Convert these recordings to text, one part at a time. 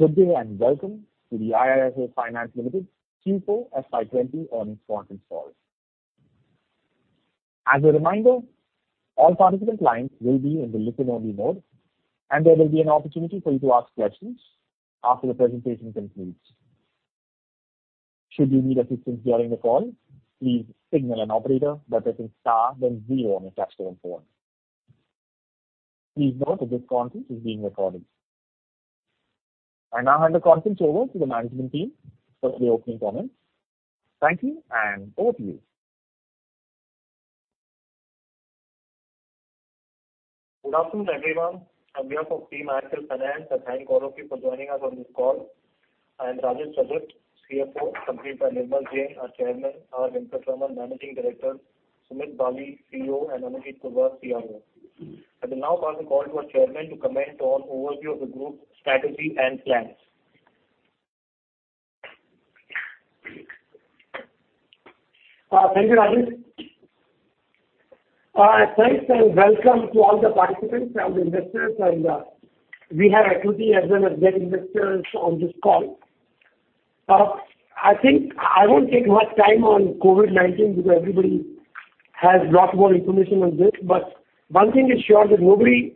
Good day and welcome to the IIFL Finance Limited Q4 FY20 earnings conference call. As a reminder, all participant lines will be in the listen-only mode. There will be an opportunity for you to ask questions after the presentation concludes. Should you need assistance during the call, please signal an operator by pressing star then zero on your touchtone phone. Please note that this conference is being recorded. I now hand the conference over to the management team for the opening comments. Thank you. Over to you. Good afternoon, everyone. On behalf of team IIFL Finance, I thank all of you for joining us on this call. I am Rajesh Rajak, CFO, accompanied by Nirmal Jain, our Chairman, and R. Venkataraman, Managing Director, Sumit Bali, CEO, and Anujeet Kudva, CRO. I will now pass the call to our chairman to comment on overview of the group strategy and plans. Thank you, Rajesh. Thanks and welcome to all the participants and investors. We have equity as well as debt investors on this call. I think I won't take much time on COVID-19 because everybody has lots more information on this, but one thing is sure that nobody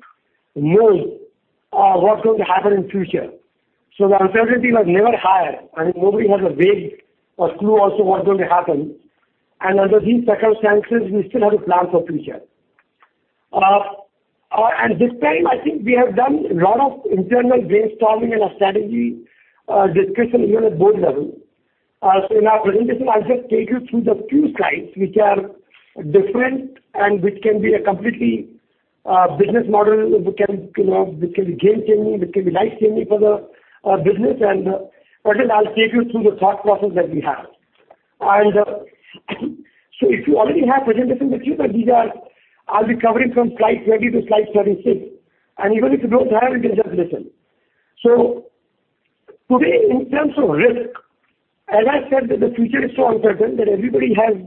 knows what's going to happen in future. The uncertainty was never higher, and nobody has a vague or clue also what's going to happen. Under these circumstances, we still have to plan for future. At this time, I think we have done a lot of internal brainstorming and a strategy discussion even at board level. In our presentation, I'll just take you through the few slides which are different and which can be a completely business model, which can be game-changing, which can be life-changing for the business. I'll take you through the thought process that we have. If you already have presentation with you, these are I'll be covering from slide 20 to slide 36, even if you don't have it, you can just listen. Today, in terms of risk, as I said that the future is so uncertain that everybody has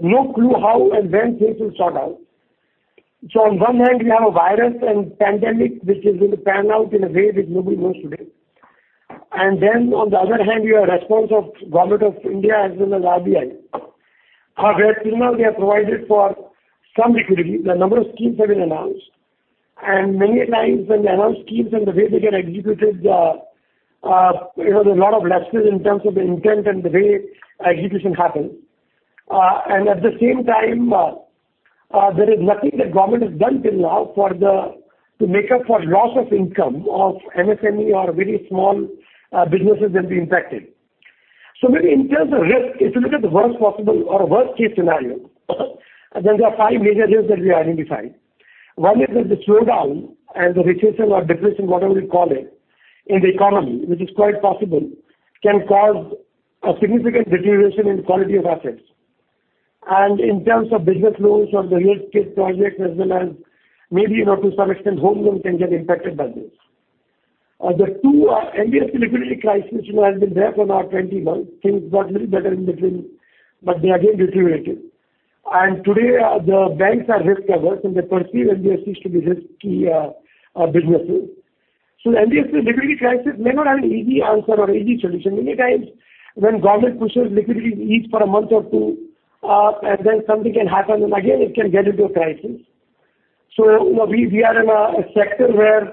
no clue how and when things will sort out. On one hand, we have a virus and pandemic which is going to pan out in a way which nobody knows today. On the other hand, you have response of Government of India as well as RBI, where till now they have provided for some liquidity. The number of schemes have been announced. Many a times when they announce schemes and the way they get executed, there's a lot of lapses in terms of the intent and the way execution happens. At the same time, there is nothing that government has done till now to make up for loss of income of MSME or very small businesses that'll be impacted. Maybe in terms of risk, if you look at the worst possible or a worst-case scenario, there are five major risks that we have identified. One is that the slowdown and the recession or depression, whatever you call it, in the economy, which is quite possible, can cause a significant deterioration in quality of assets. In terms of business loans or the real estate projects as well as maybe to some extent home loans can get impacted by this. Two are NBFC liquidity crisis which has been there for now 20 months. Things got little better in between, but they again deteriorated. Today, the banks are risk-averse, and they perceive MSMEs to be risky businesses. The NBFC liquidity crisis may not have an easy answer or easy solution. Many times when government pushes liquidity ease for a month or two, and then something can happen, and again it can get into a crisis. We are in a sector where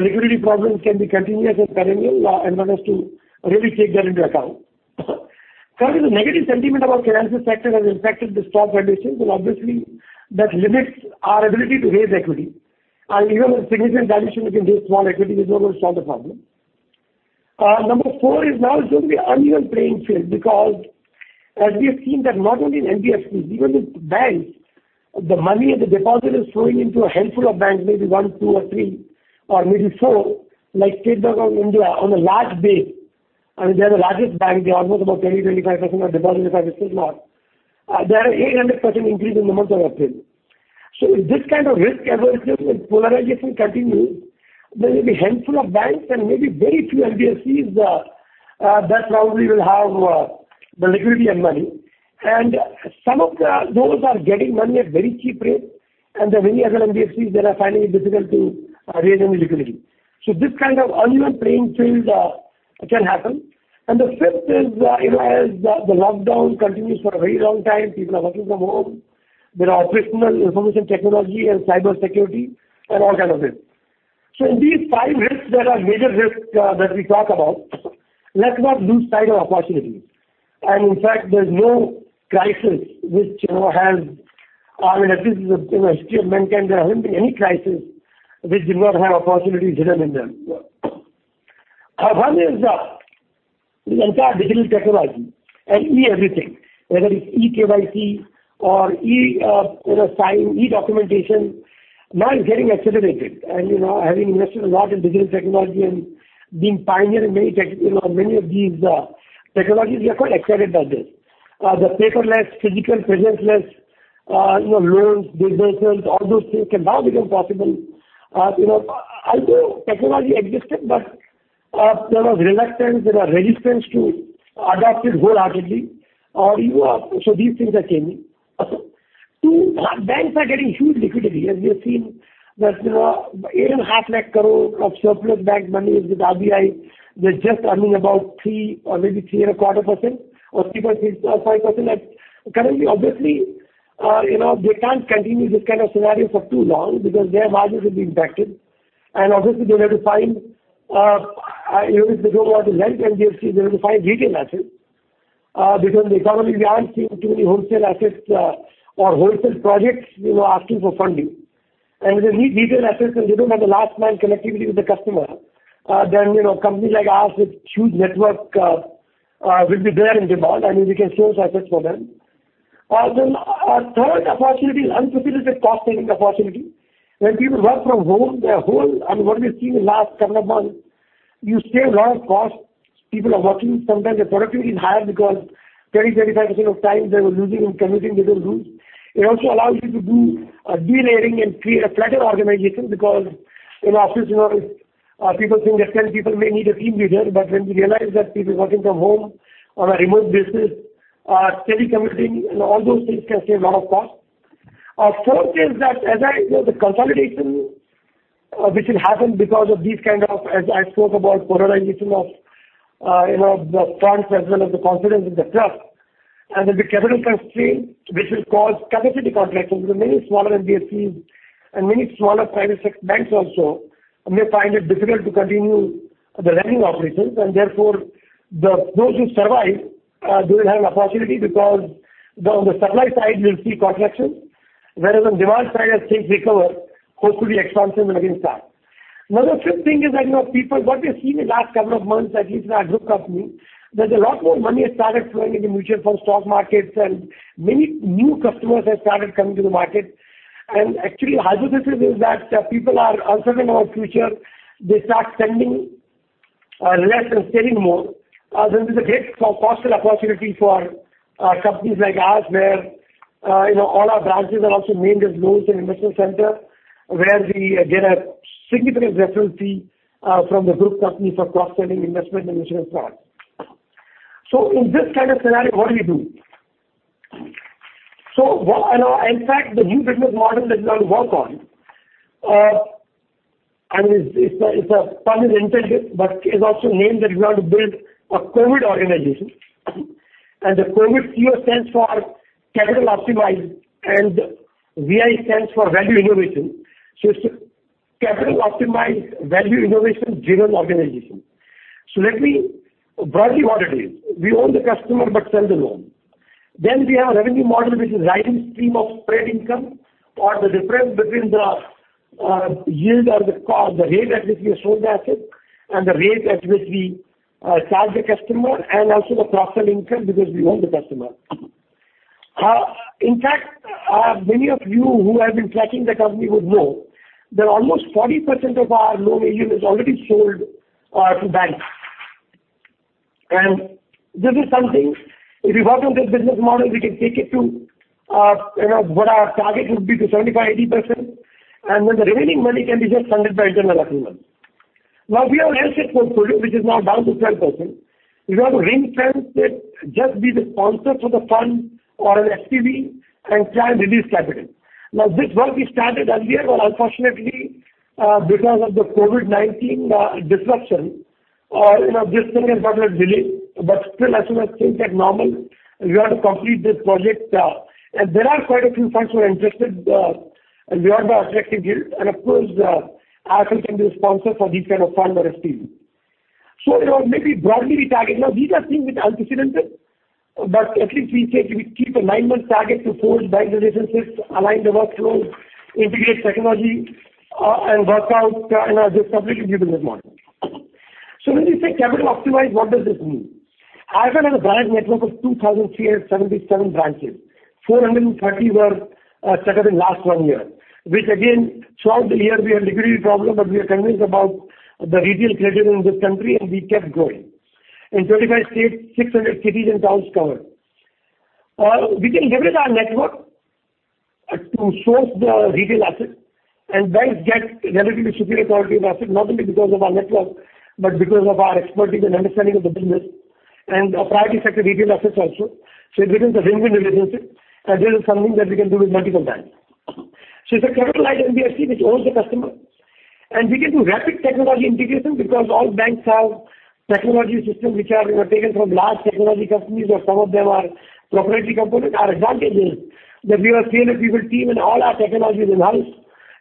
liquidity problems can be continuous or perennial, and one has to really take that into account. Third is the negative sentiment about financial sector has impacted the stock valuations, and obviously that limits our ability to raise equity. Even with significant dilution, we can raise small equity, which is not going to solve the problem. Number four is now it's going to be uneven playing field because as we have seen that not only in NBFCs, even with banks, the money or the deposit is flowing into a handful of banks, maybe one, two or three, or maybe four like State Bank of India on a large base. I mean, they are the largest bank. They almost about 20%, 25% of deposits are with them now. There are 800% increase in the month of April. If this kind of risk aversion and polarization continues, there will be handful of banks and maybe very few NBFCs that probably will have the liquidity and money. Some of those are getting money at very cheap rate, and there are many other NBFCs that are finding it difficult to raise any liquidity. This kind of uneven playing field can happen. The fifth is as the lockdown continues for a very long time, people are working from home. There are operational information technology and cybersecurity, and all kind of risk. These five risks that are major risks that we talk about, let's not lose sight of opportunities. In fact, there's no crisis which has I mean, at least in the history of mankind, there hasn't been any crisis which did not have opportunities hidden in them. One is the entire digital technology and e-everything, whether it's eKYC or eSign, e-documentation now is getting accelerated. Having invested a lot in digital technology and been pioneer in many of these technologies, we are quite excited by this. The paperless, physical presence-less loans disbursements, all those things can now become possible. Although technology existed, but there was reluctance, there was resistance to adopt it wholeheartedly. These things are changing. Two, banks are getting huge liquidity. We have seen that eight and a half lakh crore of surplus bank money is with RBI. They're just earning about 3% or maybe 3.25% or 3.65%. Currently, obviously, they can't continue this kind of scenario for too long because their margins will be impacted. Obviously, they'll have to find, even if they go about the lend to NBFCs, they will find retail assets. In the economy, we aren't seeing too many wholesale assets or wholesale projects asking for funding. If they need retail assets, and they don't have the last-mile connectivity with the customer, then companies like us with huge network will be there in demand, and we can source assets for them. Our third opportunity is unanticipated cost-saving opportunity. When people work from home, what we've seen in last couple of months, you save a lot of costs. People are working. Sometimes their productivity is higher because 20%-25% of time they were losing in commuting between rooms. It also allows you to do delayering and create a flatter organization because, obviously, people think that 10 people may need a team leader. When we realize that people working from home on a remote basis are telecommuting, and all those things can save a lot of cost. Fourth is that as I know the consolidation which will happen because of these kind of, as I spoke about polarization of the funds as well as the confidence in the trust, and there'll be capital constraint which will cause capacity contraction because many smaller NBFCs and many smaller private sector banks also may find it difficult to continue the lending operations. Therefore, those who survive, they will have an opportunity because on the supply side, we'll see contraction. Whereas on demand side, as things recover, hopefully expansion will again start. The fifth thing is that people, what we've seen in last couple of months, at least in our group company, that a lot more money has started flowing in the mutual fund stock markets, and many new customers have started coming to the market. Actually, hypothesis is that people are uncertain about future. They start spending less and saving more. This is a great cross-sell opportunity for companies like ours where all our branches are also named as loans and investment center, where we get a significant referral fee from the group company for cross-selling investment and mutual funds. In this kind of scenario, what do we do? In fact, the new business model that we want to work on. It's a pun intended, but is also named that we want to build a COVID organization. The COVID, CO stands for capital optimize and VI stands for value innovation. It's a capital optimized value innovation driven organization. Let me broadly what it is. We own the customer but sell the loan. We have a revenue model which is rising stream of spread income or the difference between the yield or the rate at which we have sold the asset and the rate at which we charge the customer and also the cross-sell income because we own the customer. In fact, many of you who have been tracking the company would know that almost 40% of our loan AUM is already sold to banks. This is something, if we work on this business model, we can take it to what our target would be to 75%-80%. The remaining money can be just funded by internal accruals. Now we own a real asset portfolio which is now down to 12%. We want to ring-fence it, just be the sponsor for the fund or an SPV and plan release capital. This work we started earlier, but unfortunately, because of the COVID-19 disruption this thing has got a little delayed. As soon as things get normal, we want to complete this project. There are quite a few funds who are interested and we are the attractive yield. Of course, IIFL can be the sponsor for these kind of fund or SPV. Maybe broadly we target. These are things which are anticipated, but at least we say we keep a nine-month target to forge bank relationships, align the workflows, integrate technology, and work out this complete new business model. When we say capital optimize, what does this mean? IIFL has a branch network of 2,377 branches. 430 were set up in last one year, which again, throughout the year we had liquidity problem, but we were convinced about the retail credit in this country, and we kept growing. In 25 states, 600 cities and towns covered. We can leverage our network to source the retail asset and banks get relatively superior quality of asset, not only because of our network, but because of our expertise and understanding of the business and priority sector retail assets also. It becomes a win-win relationship, and this is something that we can do with multiple banks. It's a capitalized NBFC which owns the customer, and we can do rapid technology integration because all banks have technology systems which are taken from large technology companies, or some of them are proprietary component. Our advantage is that we have scaled a people team, and all our technology is in-house,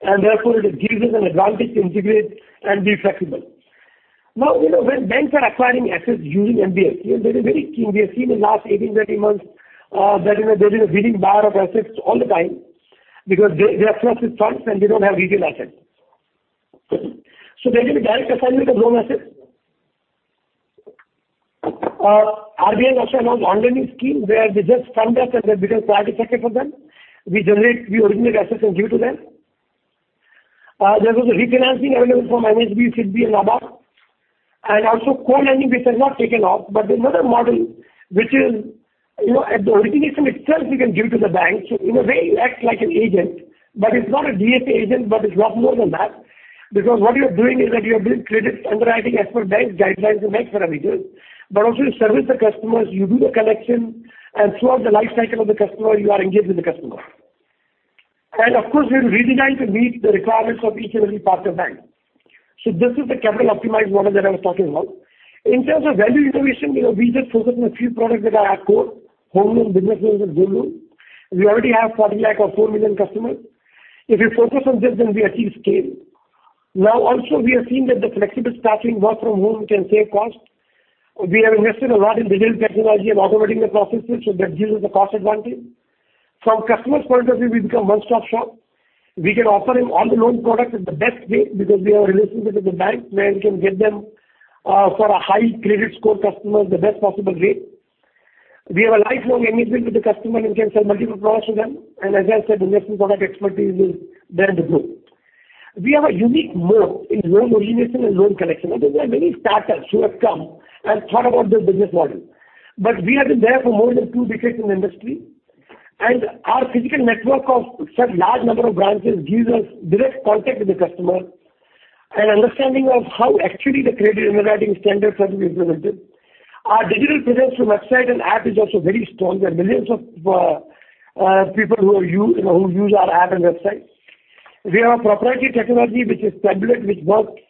and therefore it gives us an advantage to integrate and be flexible. When banks are acquiring assets using NBFCs, they are very keen. We have seen in last 18, 20 months that there's a bidding war of assets all the time because they are flush with funds, and they don't have retail assets. There will be direct assignment of loan assets. RBI also announced on-lending scheme where they just fund us, and that becomes priority sector for them. We originate assets and give to them. There is a refinancing available from NHB, SIDBI, and NABARD, and also co-lending which has not taken off. There's another model which is at the origination itself, we can give to the banks. In a way, you act like an agent, but it's not a DSA agent, but it's lot more than that. Because what you're doing is that you're doing credit underwriting as per bank's guidelines and banks parameters, but also you service the customers, you do the collection, and throughout the life cycle of the customer, you are engaged with the customer. Of course, we have redesigned to meet the requirements of each and every partner bank. This is the capital optimized model that I was talking about. In terms of value innovation, we just focus on a few products that are at core, home loan, business loans, and gold loan. We already have 4 million customers. If we focus on this, then we achieve scale. Now also, we have seen that the flexible staffing work from home can save cost. We have invested a lot in digital technology and automating the processes, so that gives us a cost advantage. From customers' point of view, we become one-stop shop. We can offer him all the loan products at the best way because we have a relationship with the bank where we can get them for a high credit score customer, the best possible rate. We have a lifelong engagement with the customer and we can sell multiple products to them. As I said, investment product expertise is there in the group. We have a unique moat in loan origination and loan collection. There are many startups who have come and thought about this business model. We have been there for more than two decades in the industry, and our physical network of such large number of branches gives us direct contact with the customer and understanding of how actually the credit underwriting standards are being implemented. Our digital presence through website and app is also very strong. There are millions of people who use our app and website. We have a proprietary technology, which is patented, which works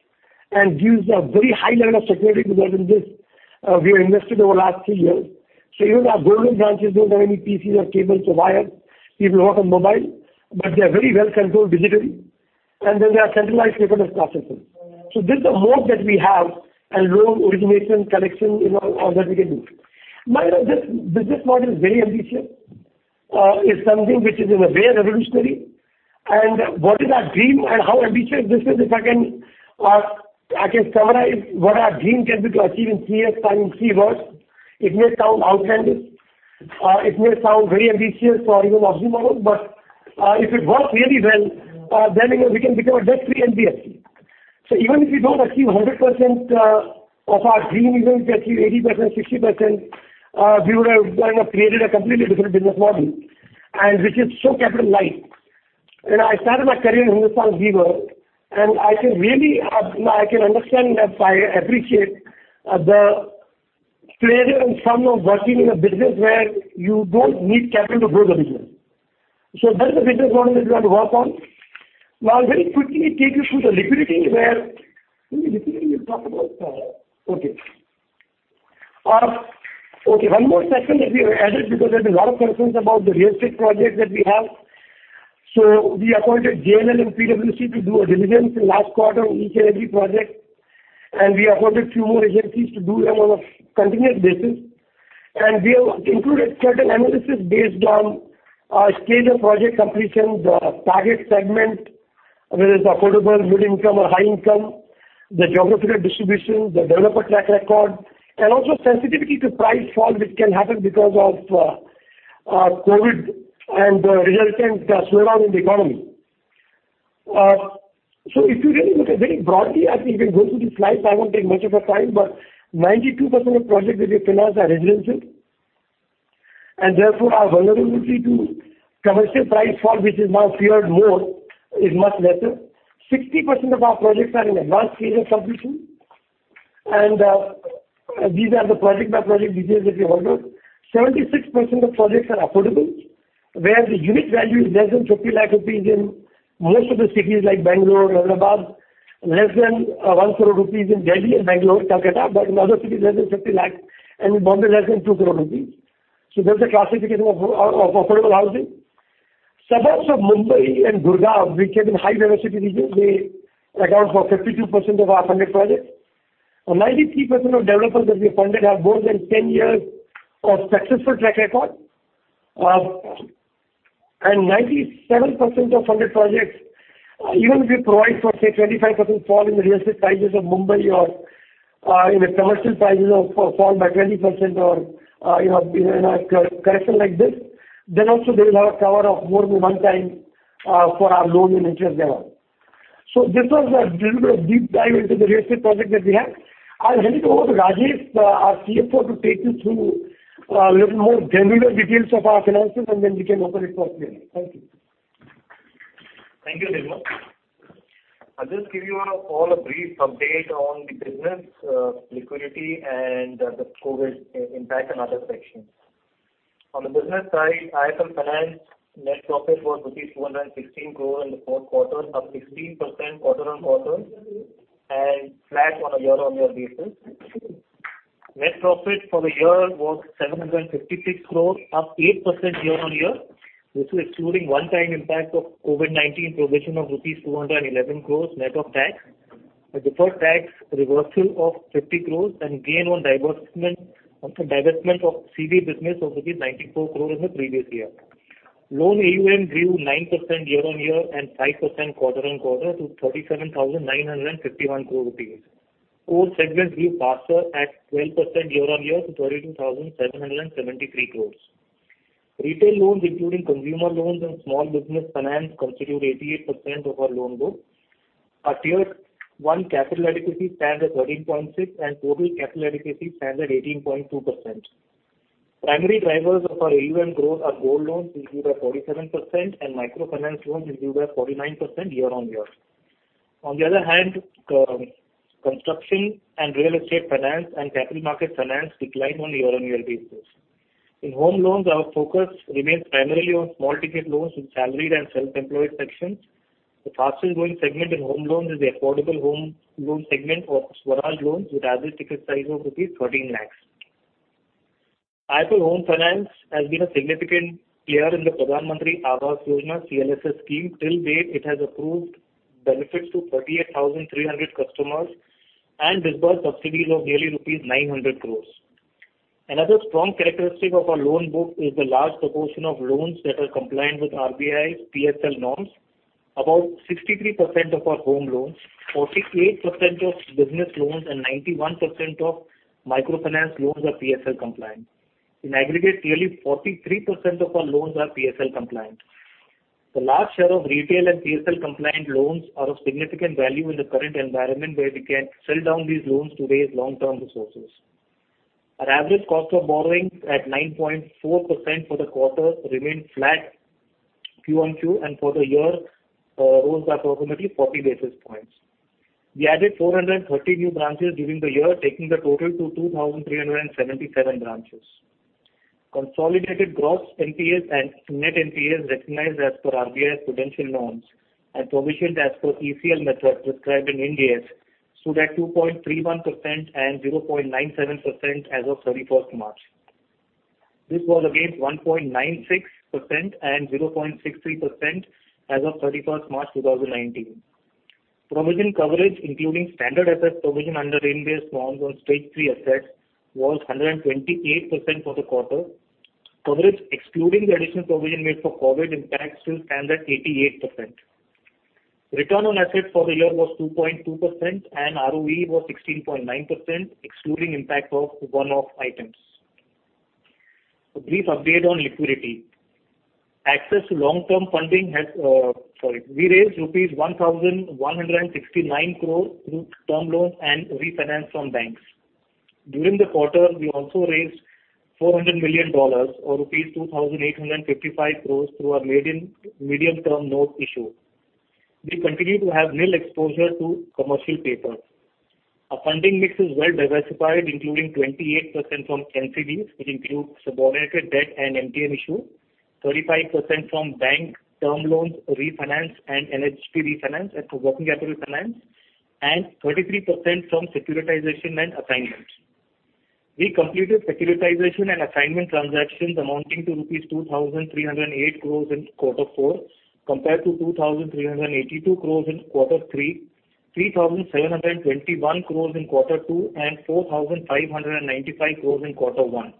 and gives a very high level of security to the business. We have invested over the last three years. Even our gold loan branches don't have any PCs or cables or wires. People work on mobile. They are very well controlled digitally, and there are centralized paperless processes. This is a moat that we have and loan origination, collection, all that we can do. This business model is very ambitious. is something which is in a way revolutionary. What is our dream and how ambitious this is? If I can summarize what our dream can be to achieve in three years' time in three words. It may sound outlandish. It may sound very ambitious or even abominable, but if it works really well, we can become a debt-free NBFC. Even if we don't achieve 100% of our dream, even if we achieve 80%, 60%, we would have created a completely different business model, and which is so capital light. I started my career in Hindustan Lever, and I can understand and appreciate the pleasure and fun of working in a business where you don't need capital to grow the business. That's the business model that we want to work on. Now I'll very quickly take you through the liquidity where only liquidity we talk about? One more section that we have added because there's a lot of concerns about the real estate projects that we have. We appointed JLL and PwC to do a diligence in last quarter on each and every project, and we appointed few more agencies to do it on a continuous basis. We have included certain analysis based on stage of project completion, the target segment, whether it's affordable, mid-income or high-income, the geographical distribution, the developer track record, and also sensitivity to price fall, which can happen because of COVID and resultant slowdown in the economy. If you really look at very broadly as we can go through the slides, I won't take much of your time, but 92% of projects which we finance are residential, and therefore our vulnerability to commercial price fall, which is now feared more, is much lesser. 60% of our projects are in advanced stage of completion, and these are the project-by-project details if you hover. 76% of projects are affordable, where the unit value is less than 50 lakhs rupees in most of the cities like Bangalore, Hyderabad, less than 1 crore rupees in Delhi and Bangalore, Kolkata, but in other cities less than 50 lakhs, and in Bombay less than 2 crores rupees. There's a classification of affordable housing. Suburbs of Mumbai and Gurgaon, which have been high-density regions, they account for 52% of our funded projects. 93% of developers that we funded have more than 10 years of successful track record. 97% of funded projects, even if we provide for, say, 25% fall in the real estate prices of Mumbai or commercial prices fall by 20% or correction like this, they will also have a cover of more than one time for our loan and interest there. This was a little bit of deep dive into the real estate project that we have. I'll hand it over to Rajesh, our CFO, to take you through a little more granular details of our finances, and then we can open it for Q&A. Thank you. Thank you, Nirmal. I'll just give you all a brief update on the business liquidity and the COVID impact and other sections. On the business side, IIFL Finance net profit was 216 crores in the fourth quarter, up 16% quarter-on-quarter and flat on a year-on-year basis. Net profit for the year was 756 crores, up 8% year-on-year. This is excluding one-time impact of COVID-19 provision of rupees 211 crores net of tax. A deferred tax reversal of 50 crores and gain on divestment of CV business of rupees 94 crores in the previous year. Loan AUM grew 9% year-on-year and 5% quarter-on-quarter to 37,951 crores rupees. Core segments grew faster at 12% year-on-year to 32,773 crores. Retail loans, including consumer loans and small business finance, constitute 88% of our loan book. Our Tier 1 capital adequacy stands at 13.6% and total capital adequacy stands at 18.2%. Primary drivers of our AUM growth are gold loans, which grew by 47%, and microfinance loans, which grew by 49% year-on-year. On the other hand, construction and real estate finance and capital market finance declined on a year-on-year basis. In home loans, our focus remains primarily on small-ticket loans with salaried and self-employed sections. The fastest-growing segment in home loans is the affordable home loan segment of Swaraj Loans, with average ticket size of rupees 13 lakhs. IIFL Home Finance has been a significant player in the Pradhan Mantri Awas Yojana CLSS scheme. Till date, it has approved benefits to 38,300 customers and disbursed subsidies of nearly rupees 900 crores. Another strong characteristic of our loan book is the large proportion of loans that are compliant with RBI's PSL norms. About 63% of our home loans, 48% of business loans, and 91% of microfinance loans are PSL compliant. In aggregate, nearly 43% of our loans are PSL compliant. The large share of retail and PSL-compliant loans are of significant value in the current environment where we can sell down these loans to raise long-term resources. Our average cost of borrowings at 9.4% for the quarter remained flat QoQ, and for the year, rose by approximately 40 basis points. We added 430 new branches during the year, taking the total to 2,377 branches. Consolidated gross NPAs and net NPAs recognized as per RBI's prudential norms and provisioned as per ECL method prescribed in Ind AS stood at 2.31% and 0.97% as of 31st March. This was against 1.96% and 0.63% as of 31st March 2019. Provision coverage, including standard asset provision under Ind AS norms on Stage 3 assets, was 128% for the quarter. Coverage excluding the additional provision made for COVID impact stood standard 88%. Return on assets for the year was 2.2%, and ROE was 16.9%, excluding impact of one-off items. A brief update on liquidity. We raised rupees 1,169 crore through term loans and refinance from banks. During the quarter, we also raised $400 million or rupees 2,855 crores through our medium-term note issue. We continue to have nil exposure to commercial paper. Our funding mix is well diversified, including 28% from NCDs, which includes subordinated debt and MTN issue, 35% from bank term loans, refinance and NHB refinance and working capital finance, and 33% from securitization and assignments. We completed securitization and assignment transactions amounting to rupees 2,308 crores in quarter four compared to 2,382 crores in quarter three, 3,721 crores in quarter two, and 4,595 crores in quarter one.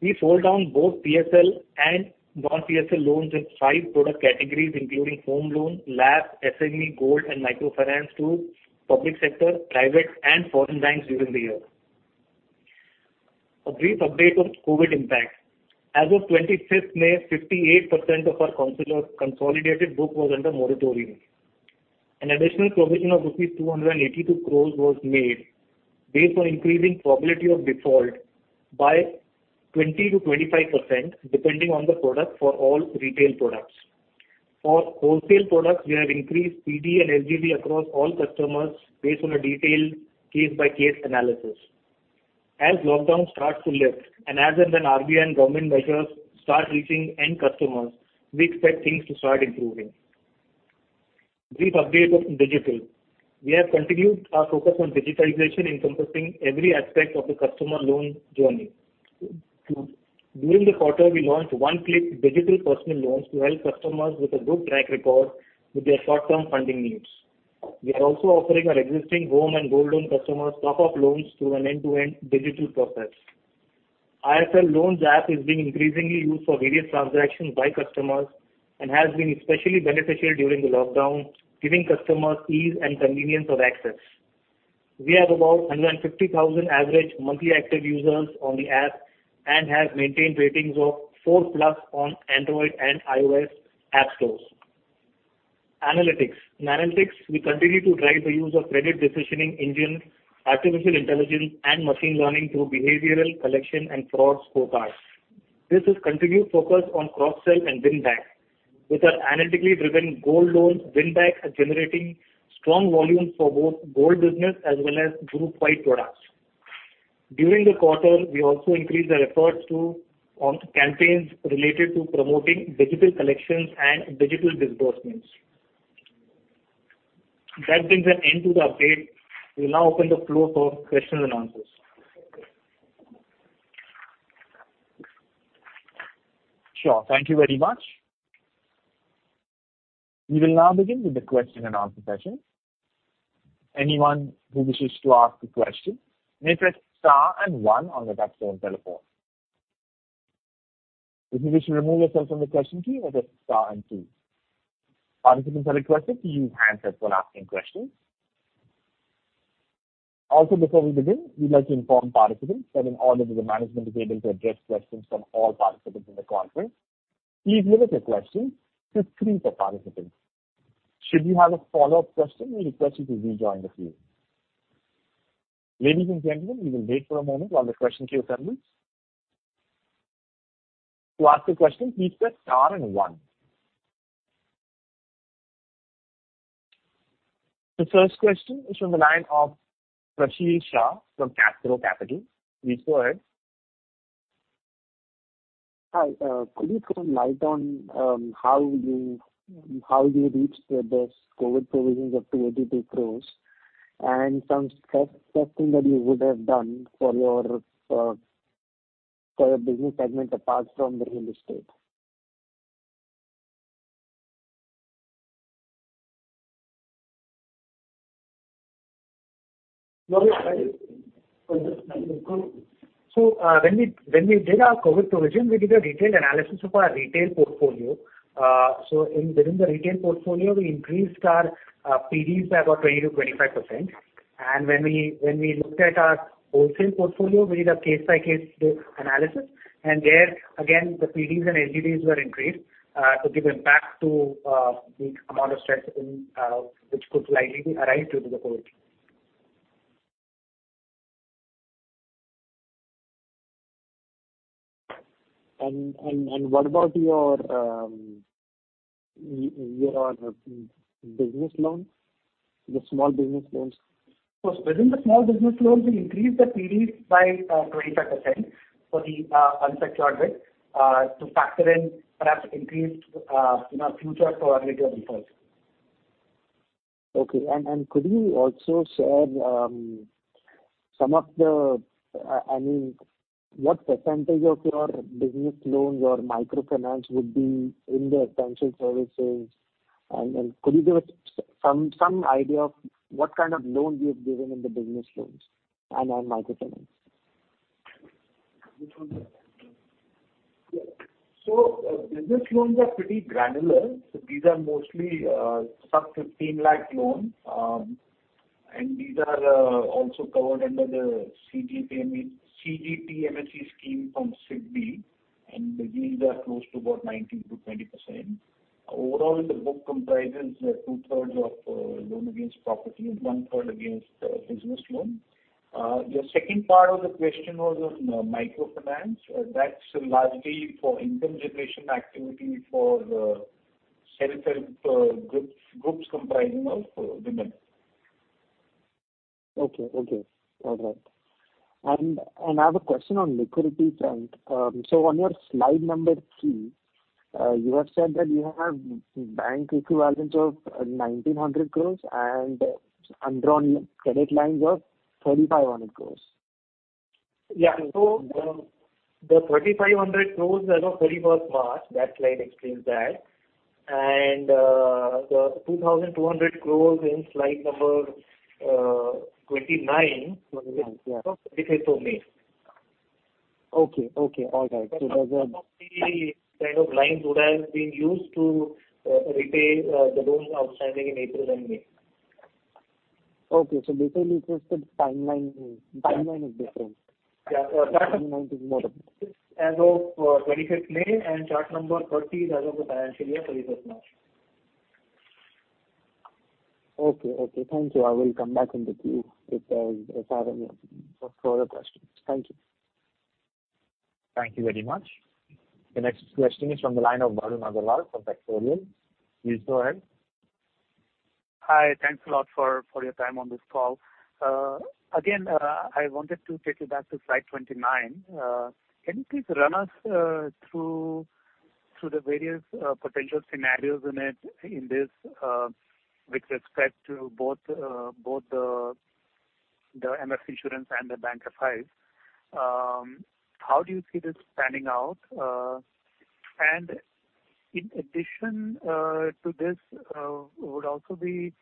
We sold down both PSL and non-PSL loans in five product categories, including home loans, LAP, SME, gold and microfinance to public sector, private and foreign banks during the year. A brief update on COVID impact. As of 25th May, 2020, 58% of our consolidated book was under moratorium. An additional provision of rupees 282 crores was made based on increasing probability of default by 20%-25%, depending on the product for all retail products. For wholesale products, we have increased PD and LGD across all customers based on a detailed case-by-case analysis. As lockdown starts to lift and as and when RBI and government measures start reaching end customers, we expect things to start improving. Brief update on digital. We have continued our focus on digitization, encompassing every aspect of the customer loan journey. During the quarter, we launched one-click digital personal loans to help customers with a good track record with their short-term funding needs. We are also offering our existing home and gold loan customers top-up loans through an end-to-end digital process. IIFL Loans App is being increasingly used for various transactions by customers and has been especially beneficial during the lockdown, giving customers ease and convenience of access. We have about 150,000 average monthly active users on the app and have maintained ratings of 4+ plus on Android and iOS app stores. Analytics. In analytics, we continue to drive the use of credit decisioning engines, artificial intelligence and machine learning through behavioral collection and fraud scorecards. This has continued focus on cross-sell and win-back, with our analytically driven gold loans win back generating strong volumes for both gold business as well as group wide products. During the quarter, we also increased our efforts to campaigns related to promoting digital collections and digital disbursements. That brings an end to the update. We will now open the floor for questions and answers. Sure. Thank you very much. We will now begin with the question and answer session. Anyone who wishes to ask a question may press star and one on their telephone. If you wish to remove yourself from the question queue, you may press star and two. Participants are requested to use handsets when asking questions. Before we begin, we'd like to inform participants that in order for the management to be able to address questions from all participants in the conference, please limit your questions to three per participant. Should you have a follow-up question, we request you to rejoin the queue. Ladies and gentlemen, we will wait for a moment while the question queue settles. To ask a question, please press star and one. The first question is from the line of Prasheel Shah from CapGrow Capital. Please go ahead. Hi. Could you throw light on how you reached this COVID provisions of 282 crores and some steps that you would have done for your business segment apart from the real estate? When we did our COVID provision, we did a detailed analysis of our retail portfolio. Within the retail portfolio, we increased our PDs by about 20%-25%. When we looked at our wholesale portfolio, we did a case-by-case analysis. There, again, the PDs and LGDs were increased to give impact to the amount of stress which could likely arise due to the COVID. What about your business loans, the small business loans? Within the small business loans, we increased the PDs by 25% for the unsecured debt to factor in perhaps increased future probability of defaults. Okay. Could you also share what percentage of your business loans or microfinance would be in the essential services? Could you give us some idea of what kind of loans you have given in the business loans and on microfinance? Business loans are pretty granular. These are mostly sub 15 lakh loans. These are also covered under the CGTMSE scheme from SIDBI, and the yields are close to about 19%-20%. Overall, the book comprises 2/3 of loan against property and 1/3 against business loan. Your second part of the question was on microfinance. That's largely for income generation activity for the self-help groups comprising of women. Okay. All right. I have a question on liquidity front. On your slide number three, you have said that you have bank equivalents of INR 1,900 crores and undrawn credit lines of INR 3,500 crores. The INR 3,500 crores as of 31st March,2020 that slide explains that. The INR 2,200 crores in slide number 29. As of 25th May. Okay. All right. Some of the kind of lines would have been used to repay the loans outstanding in April and May. Okay. Basically you said timeline is different. Yeah. As of 25th May and chart number 30 as of the financial year 31st March. Okay. Thank you. I will come back into queue if I have any further questions. Thank you. Thank you very much. The next question is from the line of Barun Agarwal from Factorial. Please go ahead. Hi. Thanks a lot for your time on this call. I wanted to take you back to slide 29. Can you please run us through the various potential scenarios in it with respect to both the MFs, insurance and the banks and FIs? How do you see this panning out? In addition to this, would also be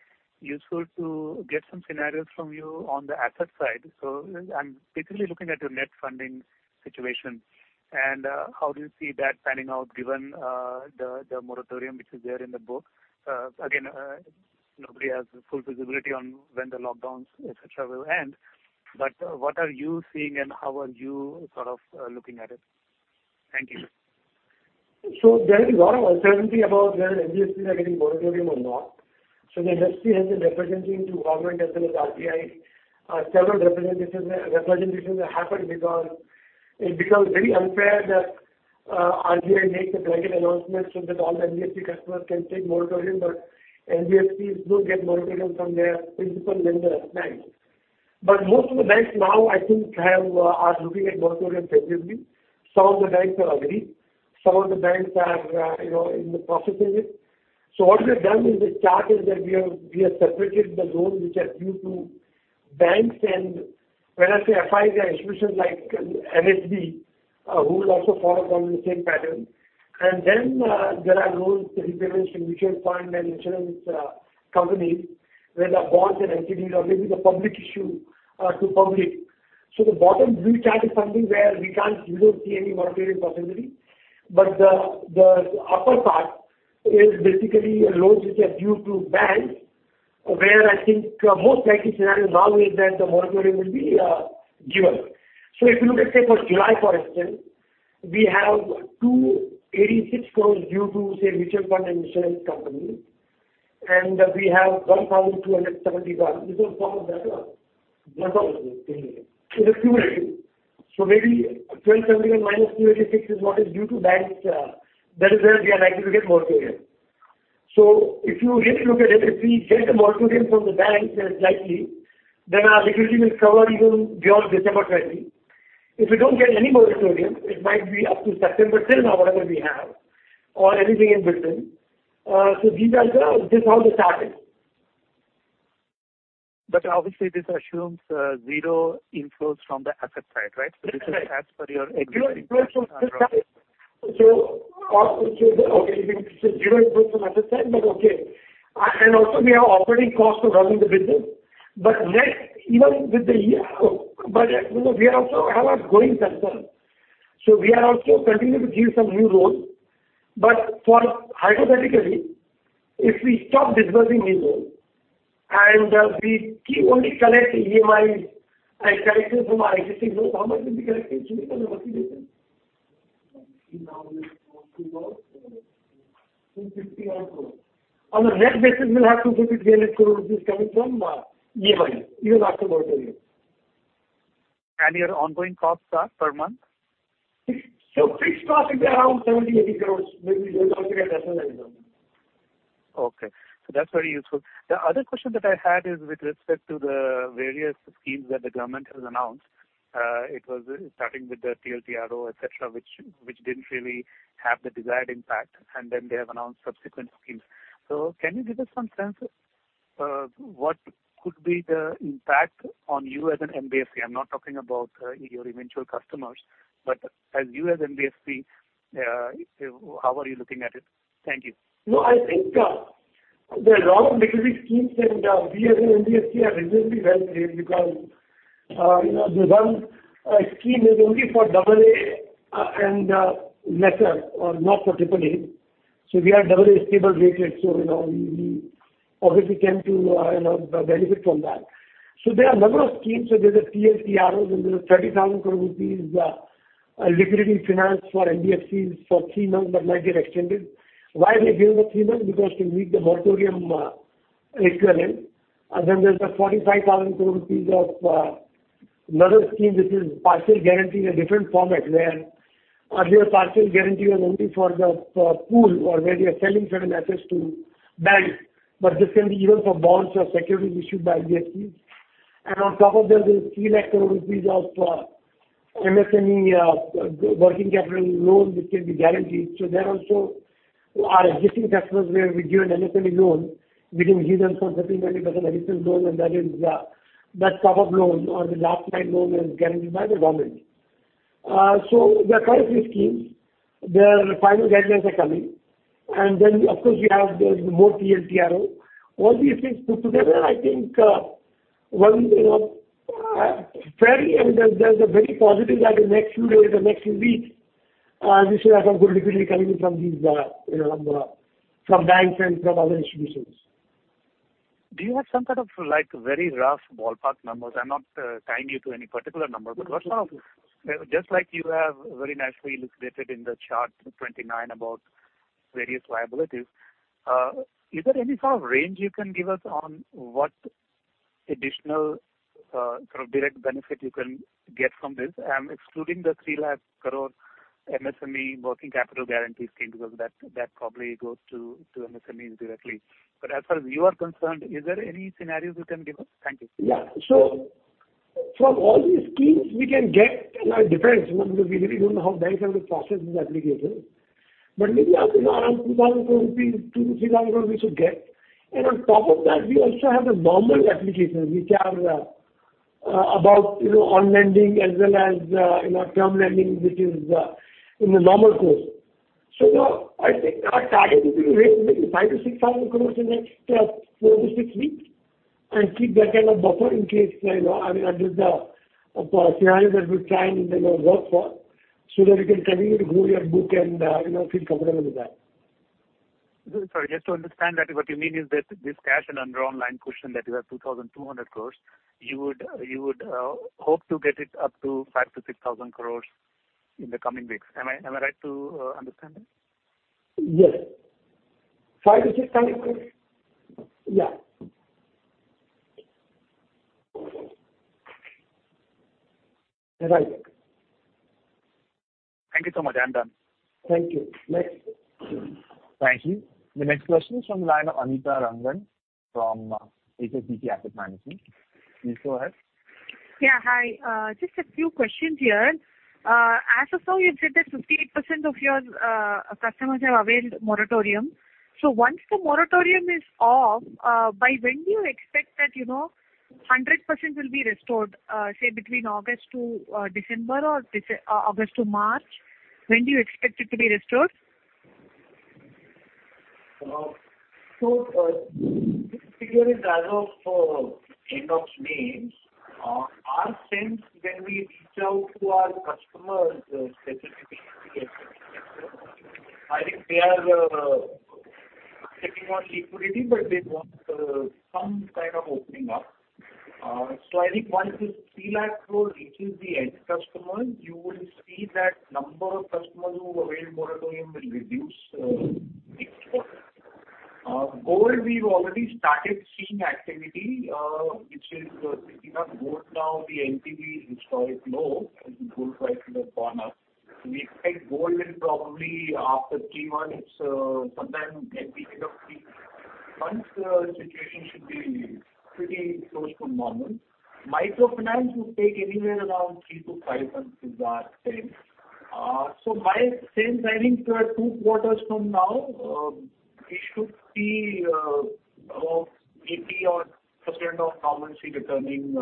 useful to get some scenarios from you on the asset side. I'm basically looking at your net funding situation and how do you see that panning out given the moratorium which is there in the book? Nobody has full visibility on when the lockdowns, et cetera, will end. What are you seeing and how are you sort of looking at it? Thank you. There is a lot of uncertainty about whether NBFCs are getting moratorium or not. The NBFC has been representing to government as well as RBI. Several representations have happened because it becomes very unfair that RBI makes a blanket announcement so that all NBFC customers can take moratorium, but NBFCs don't get moratorium from their principal lender, banks. Most of the banks now I think are looking at moratorium positively. Some of the banks have agreed. Some of the banks are in the process of it. What we have done in this chart is that we have separated the loans which are due to banks and when I say FIs, they are institutions like NHB who will also follow probably the same pattern. There are loans repayments to mutual funds and insurance companies where the bonds and NCDs are maybe the public issue to public. The bottom blue chart is something where we don't see any moratorium possibility, but the upper part is basically loans which are due to banks where I think most likely scenario now is that the moratorium will be given. If you look at, say, for July, for instance We have 286 crore due to, say, mutual fund and insurance companies, and we have 1,271 crores. It is accumulated. Maybe 1,271 crores minus 286 crores is what is due to banks. That is where we are likely to get moratorium. If you really look at it, if we get a moratorium from the banks, and it's likely, then our liquidity will cover even beyond December 20. If we don't get any moratorium, it might be up to September still now, whatever we have or anything in between. These are just how this happens. Obviously this assumes zero inflows from the asset side, right? Zero inflows from asset side, but okay. We have operating costs for running the business. Even with the year budget, we are also have a growing concern. We are also continuing to give some new loans. For hypothetically, if we stop disbursing new loans and we only collect EMIs and collections from existing loans, how much will be collecting INR 250 crores. On a net basis, we'll have 250 crores-300 crores coming from EMIs, even after moratorium. Your ongoing costs are per month? Fixed cost is around INR 70 crores, INR 80 crores. Maybe a little bit lesser than that. Okay. That's very useful. The other question that I had is with respect to the various schemes that the government has announced. It was starting with the TLTRO, et cetera, which didn't really have the desired impact, then they have announced subsequent schemes. Can you give us some sense what could be the impact on you as an NBFC? I'm not talking about your eventual customers, as you as NBFC, how are you looking at it? Thank you. I think there are a lot of liquidity schemes and we as an NBFC are reasonably well placed because the one scheme is only for AA and lesser or not for AAA. We are AA-stable rated, we obviously came to benefit from that. There are number of schemes. There is a TLTRO, and there are 30,000 crore rupees liquidity finance for NBFCs for three months, but might get extended. Why they gave us three months? Because to meet the moratorium equivalent. Then there is a 45,000 crore rupees of another scheme which is partial guarantee in a different format where earlier partial guarantee was only for the pool or where we are selling certain assets to banks, but this can be even for bonds or securities issued by NBFCs. On top of that, there's 3 lakh crores rupees of MSME working capital loan which can be guaranteed. There also our existing customers where we give an MSME loan, we can give them some 15%, 20% additional loan and that cover loan or the last mile loan is guaranteed by the government. There are quite a few schemes. Their final guidelines are coming. Of course, we have more TLTRO. All these things put together, I think there's a very positive that in next few days or next few weeks, we should have some good liquidity coming from banks and from other institutions. Do you have some kind of very rough ballpark numbers? I'm not tying you to any particular number, but what sort of Just like you have very nicely elucidated in the chart 29 about various liabilities. Is there any sort of range you can give us on what additional sort of direct benefit you can get from this? I'm excluding the 3 lakh crore MSME working capital guarantee scheme because that probably goes to MSMEs directly. As far as you are concerned, is there any scenarios you can give us? Thank you. Yeah. From all these schemes, we can get, it depends because we really don't know how banks are going to process these applications. Maybe up around 2,000 crore, 2,000-3,000 crore we should get. On top of that, we also have the normal applications which are about on lending as well as term lending which is in the normal course. I think our target will be raise maybe 5,000-6,000 crore in the next 4 to 6 weeks and keep that kind of buffer in case. I mean, that is the scenario that we try and work for so that we can continue to grow our book and feel comfortable with that. Sorry, just to understand that what you mean is that this cash and undrawn line question that you have 2,200 crores, you would hope to get it up to 5,000 crores-6,000 crores in the coming weeks. Am I right to understand that? Yes. 5,000 crores-6,000 crores. Yeah. You're right. Thank you so much. I'm done. Thank you. Thank you. The next question is from the line of Anitha Rangan from HSBC Asset Management. Please go ahead. Yeah, hi. Just a few questions here. As of now, you said that 58% of your customers have availed moratorium. Once the moratorium is off, by when do you expect that 100% will be restored? Say between August to December or August to March? When do you expect it to be restored? This figure is as of end of May. Our sense when we reach out to our customers specifically. I think they are sitting on liquidity, but they want some kind of opening up. I think once this INR 3 lakh crore reaches the end customers, you will see that number of customers who avail moratorium will reduce significantly. Gold, we've already started seeing activity, which is picking up gold now the LTV is historically low as the gold price has gone up. We expect gold will probably after three months, sometime at the end of three months, the situation should be pretty close to normal. Microfinance would take anywhere around three to five months is our sense. By sense, I think two quarters from now, we should see about 80% or so of normalcy returning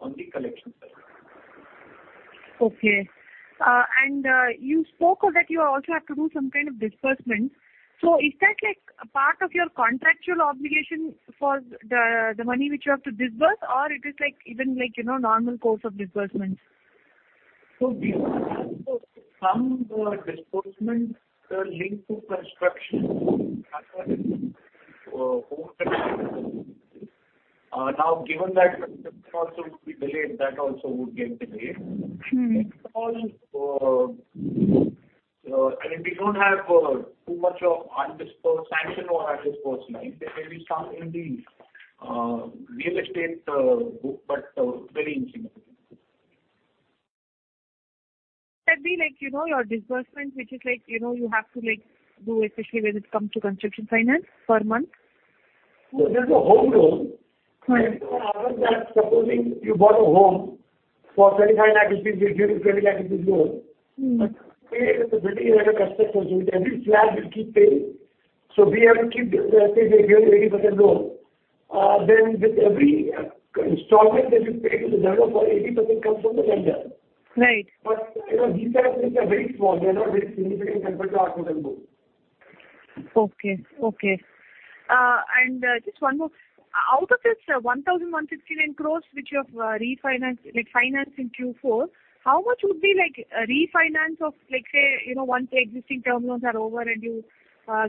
on the collection side. Okay. You spoke of that you also have to do some kind of disbursement. Is that part of your contractual obligation for the money which you have to disburse, or it is even normal course of disbursements? We have some disbursements linked to construction home finance. Given that construction also would be delayed, that also would get delayed. I think we don't have too much of sanction or undisbursed line. There may be some in the real estate book, but very insignificant. Could that be your disbursement, which you have to do, especially when it comes to construction finance per month? There's a home loan. Other than that, supposing you bought a home for 25 lakh rupees, we give you 20 lakh rupees loan. Say the building is under construction, with every slab we keep paying. We have to keep, let's say we give an 80% loan. With every installment that you pay to the builder for 80% comes from the lender. These kinds of things are very small. They are not very significant compared to our total book. Okay. Just one more. Out of this 1,169 crore which you have financed in Q4, how much would be refinance of let's say, once the existing term loans are over and you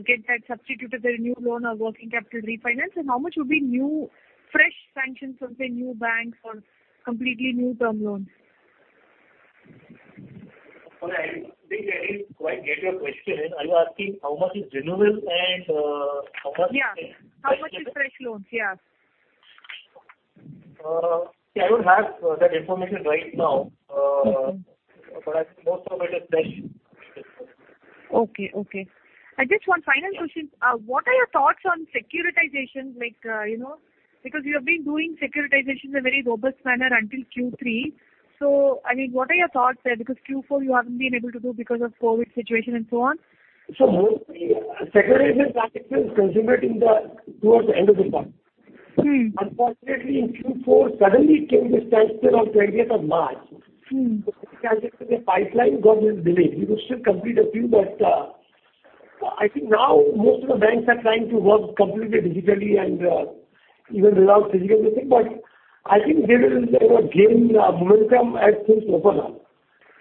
get that substituted with a new loan or working capital refinance, and how much would be new, fresh sanctions from, say, new banks or completely new term loans? I think I didn't quite get your question. Are you asking how much is renewal and how much is fresh? How much is fresh loans? Yes. I don't have that information right now. I think most of it is fresh. Okay. Just one final question. What are your thoughts on securitization? You have been doing securitizations in a very robust manner until Q3. What are your thoughts there? Q4 you haven't been able to do because of COVID situation and so on. Mostly, securitization transactions consummate towards the end of the quarter. Unfortunately, in Q4, suddenly came this COVID on 20th of March, 2020. The transactions in the pipeline got little delayed. We could still complete a few, I think now most of the banks are trying to work completely digitally and even without physical visiting. I think they will gain momentum as things open up.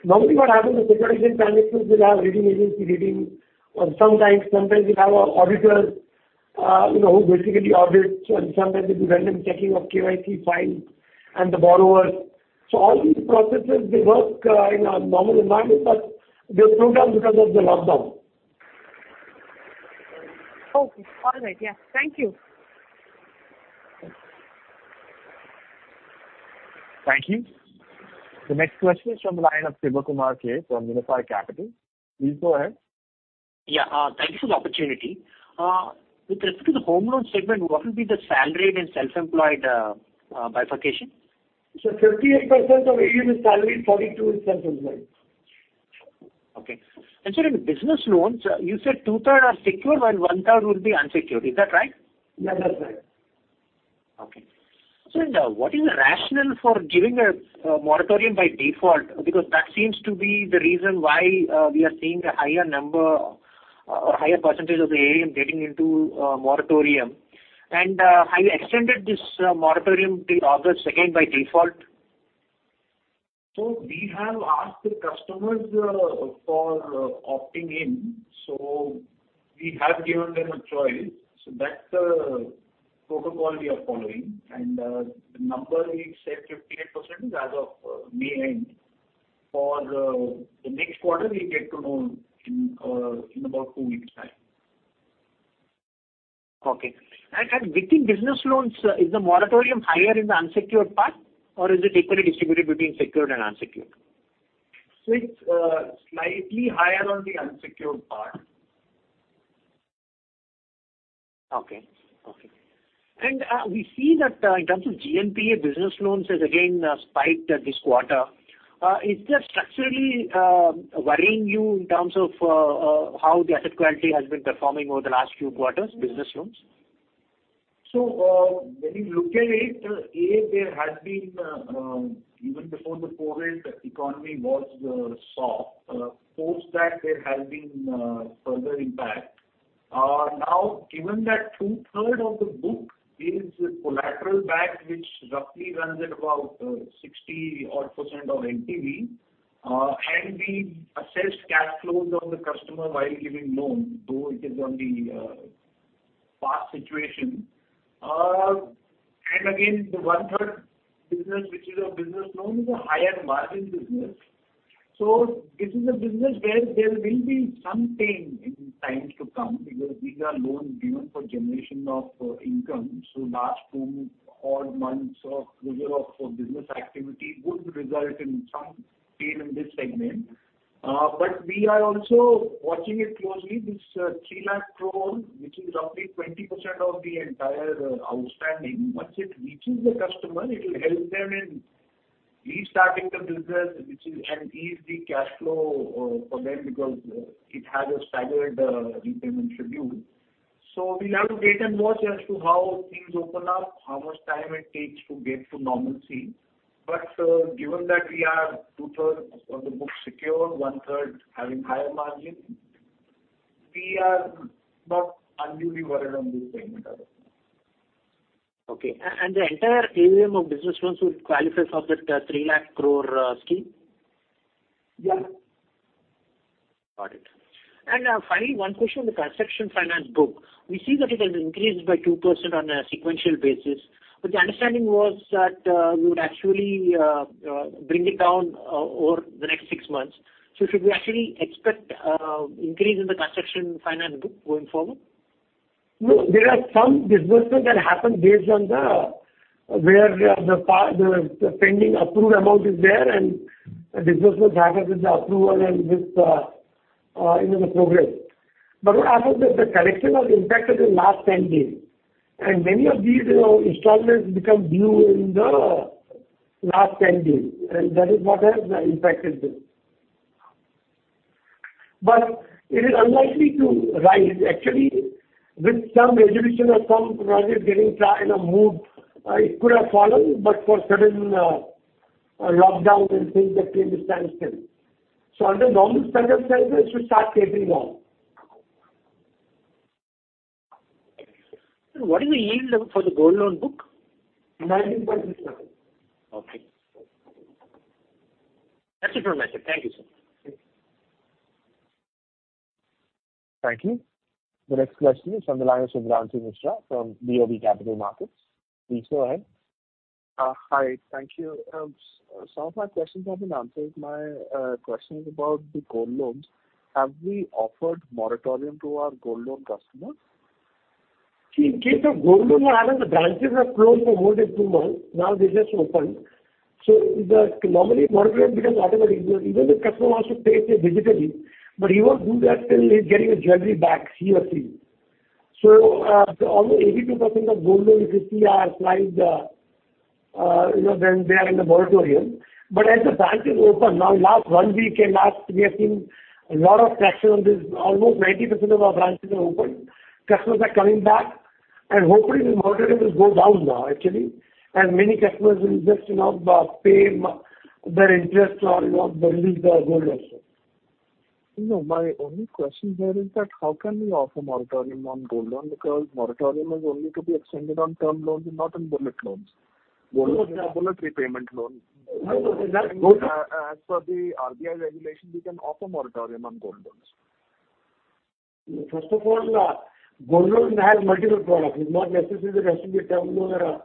Normally what happens with securitization transactions, they'll have rating agency rating, or sometimes they have auditors who basically audit, and sometimes they do random checking of KYC files and the borrowers. All these processes, they work in a normal environment, but they're slowed down because of the lockdown. Okay. All right. Yeah. Thank you. Thank you. The next question is from the line of Sivakumar K from Unifi Capital. Please go ahead. Yeah. Thank you for the opportunity. With respect to the home loan segment, what would be the salaried and self-employed bifurcation? 58% of the AUM is salaried, 42% is self-employed. Sir in business loans, you said 2/3 are secure while 1/3 would be unsecured. Is that right? Yeah, that's right. Okay. Sir, what is the rationale for giving a moratorium by default? Because that seems to be the reason why we are seeing a higher number or higher percentage of the AUM getting into moratorium. Have you extended this moratorium till August again by default? We have asked the customers for opting in, so we have given them a choice. That's the protocol we are following. The number we said, 58%, is as of May end. For the next quarter, we get to know in about two weeks' time. Okay. Within business loans, is the moratorium higher in the unsecured part, or is it equally distributed between secured and unsecured? It's slightly higher on the unsecured part. Okay. We see that in terms of GNPA business loans has again spiked this quarter. Is that structurally worrying you in terms of how the asset quality has been performing over the last few quarters, business loans? When you look at it, A, even before the COVID, the economy was soft. Post that, there has been further impact. Now, given that 2/3 of the book is collateral backed, which roughly runs at about 60 odd percent of LTV, and we assess cash flows on the customer while giving loan, though it is on the past situation. Again, the 1/3 business, which is a business loan, is a higher margin business. This is a business where there will be some pain in times to come because these are loans given for generation of income. Last two odd months of closure of business activity would result in some pain in this segment. We are also watching it closely. This 3 lakh crore, which is roughly 20% of the entire outstanding, once it reaches the customer, it will help them in restarting the business and ease the cash flow for them because it has a staggered repayment schedule. We'll have to wait and watch as to how things open up, how much time it takes to get to normalcy. Given that we are 2/3 of the books secure, one-third having higher margin, we are not unduly worried on this front. Okay. The entire AUM of business loans would qualify for that 3 lakh crore scheme? Yeah. Got it. Finally, one question on the construction finance book. We see that it has increased by 2% on a sequential basis. The understanding was that you would actually bring it down over the next six months. Should we actually expect increase in the construction finance book going forward? There are some disbursements that happen based on where the pending approved amount is there and disbursements happen with the approval and with the program. What I know is that the collection got impacted in last 10 days, and many of these installments become due in the last 10 days, and that is what has impacted this. It is unlikely to rise. Actually, with some resolution of some projects getting kind of moved, it could have fallen, but for sudden lockdown and things that came, it stands still. Under normal circumstances, it should start tapering down. Sir, what is the yield for the gold loan book? 19.6%. Okay. That's it from my side. Thank you, sir. Thank you. The next question is from the line of Shubhranshu Mishra from BOB Capital Markets. Please go ahead. Hi. Thank you. Some of my questions have been answered. My question is about the gold loans. Have we offered moratorium to our gold loan customers? In case of gold loan, the branches are closed for more than two months. They just opened. Normally moratorium becomes automatic because even if customer wants to pay, say, digitally, but he won't do that till he's getting his jewelry back, he/she. Almost 82% of gold loans, if you see the slides, they are in the moratorium. As the branches open now last one week and last, we have seen a lot of traction on this. Almost 90% of our branches are open. Customers are coming back hopefully the moratorium will go down now actually, as many customers will just pay their interest or release their gold also. No, my only question there is that how can we offer moratorium on gold loan because moratorium is only to be extended on term loans and not on bullet loans. Gold loan is a bullet repayment loan. As per the RBI regulation, you can't offer moratorium on gold loans. First of all, gold loans have multiple products. It's not necessarily has to be term loan or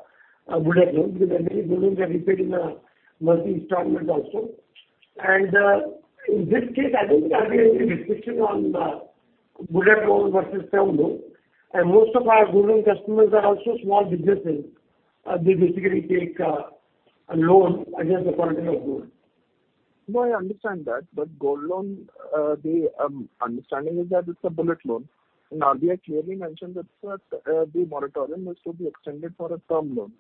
a bullet loan because many billings are repaid in a monthly installment also. In this case, I don't have any restriction on bullet loan versus term loan. Most of our gold loan customers are also small businesses. They basically take a loan against the quantity of gold. I understand that. Gold loan, the understanding is that it's a bullet loan. RBI clearly mentioned that the moratorium is to be extended for a term loan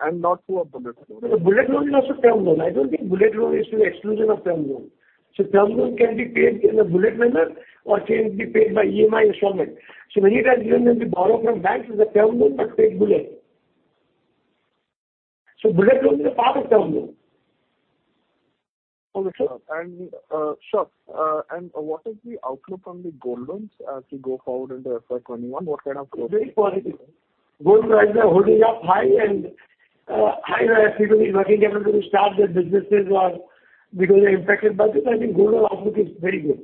and not to a bullet loan. Bullet loan is also term loan. I don't think bullet loan is to the exclusion of term loan. Term loan can be paid in a bullet manner or can be paid by EMI installment. Many times even when we borrow from banks is a term loan but paid bullet. Bullet loan is a part of term loan. Okay, sure. What is the outlook on the gold loans as we go forward into FY 2021? What kind of growth? Very positive. Gold prices are holding up high and as people need working capital to start their businesses because they're impacted by this. I think gold loan outlook is very good.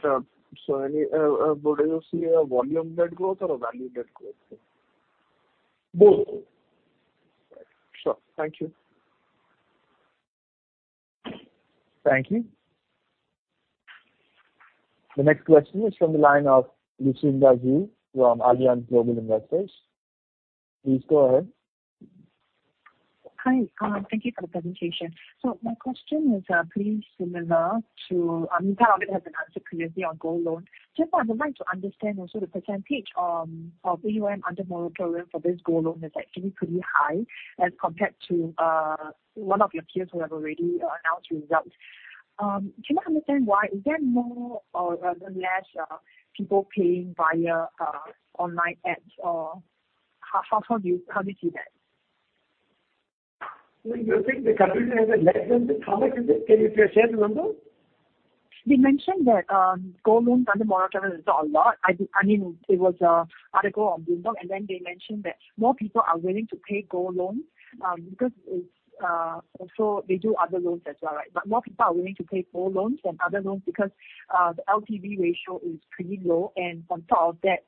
Sure. Do you see a volume-led growth or a value-led growth? Both. Sure. Thank you. Thank you. The next question is from the line of Lucinda Zhou from Allianz Global Investors. Please go ahead. Hi. Thank you for the presentation. My question is pretty similar to Anitha. It has been answered previously on gold loan. Just that I would like to understand also the percentage of AUM under moratorium for this gold loan is actually pretty high as compared to one of your peers who have already announced results. Can you understand why? Is there more or even less people paying via online apps? How do you see that? Do you think the company has a less than 10%? Can you please share with us? They mentioned that gold loans under moratorium is not a lot. It was an article on Bloomberg. Then they mentioned that more people are willing to pay gold loans because it's Also, they do other loans as well, right? More people are willing to pay gold loans than other loans because the LTV ratio is pretty low. On top of that,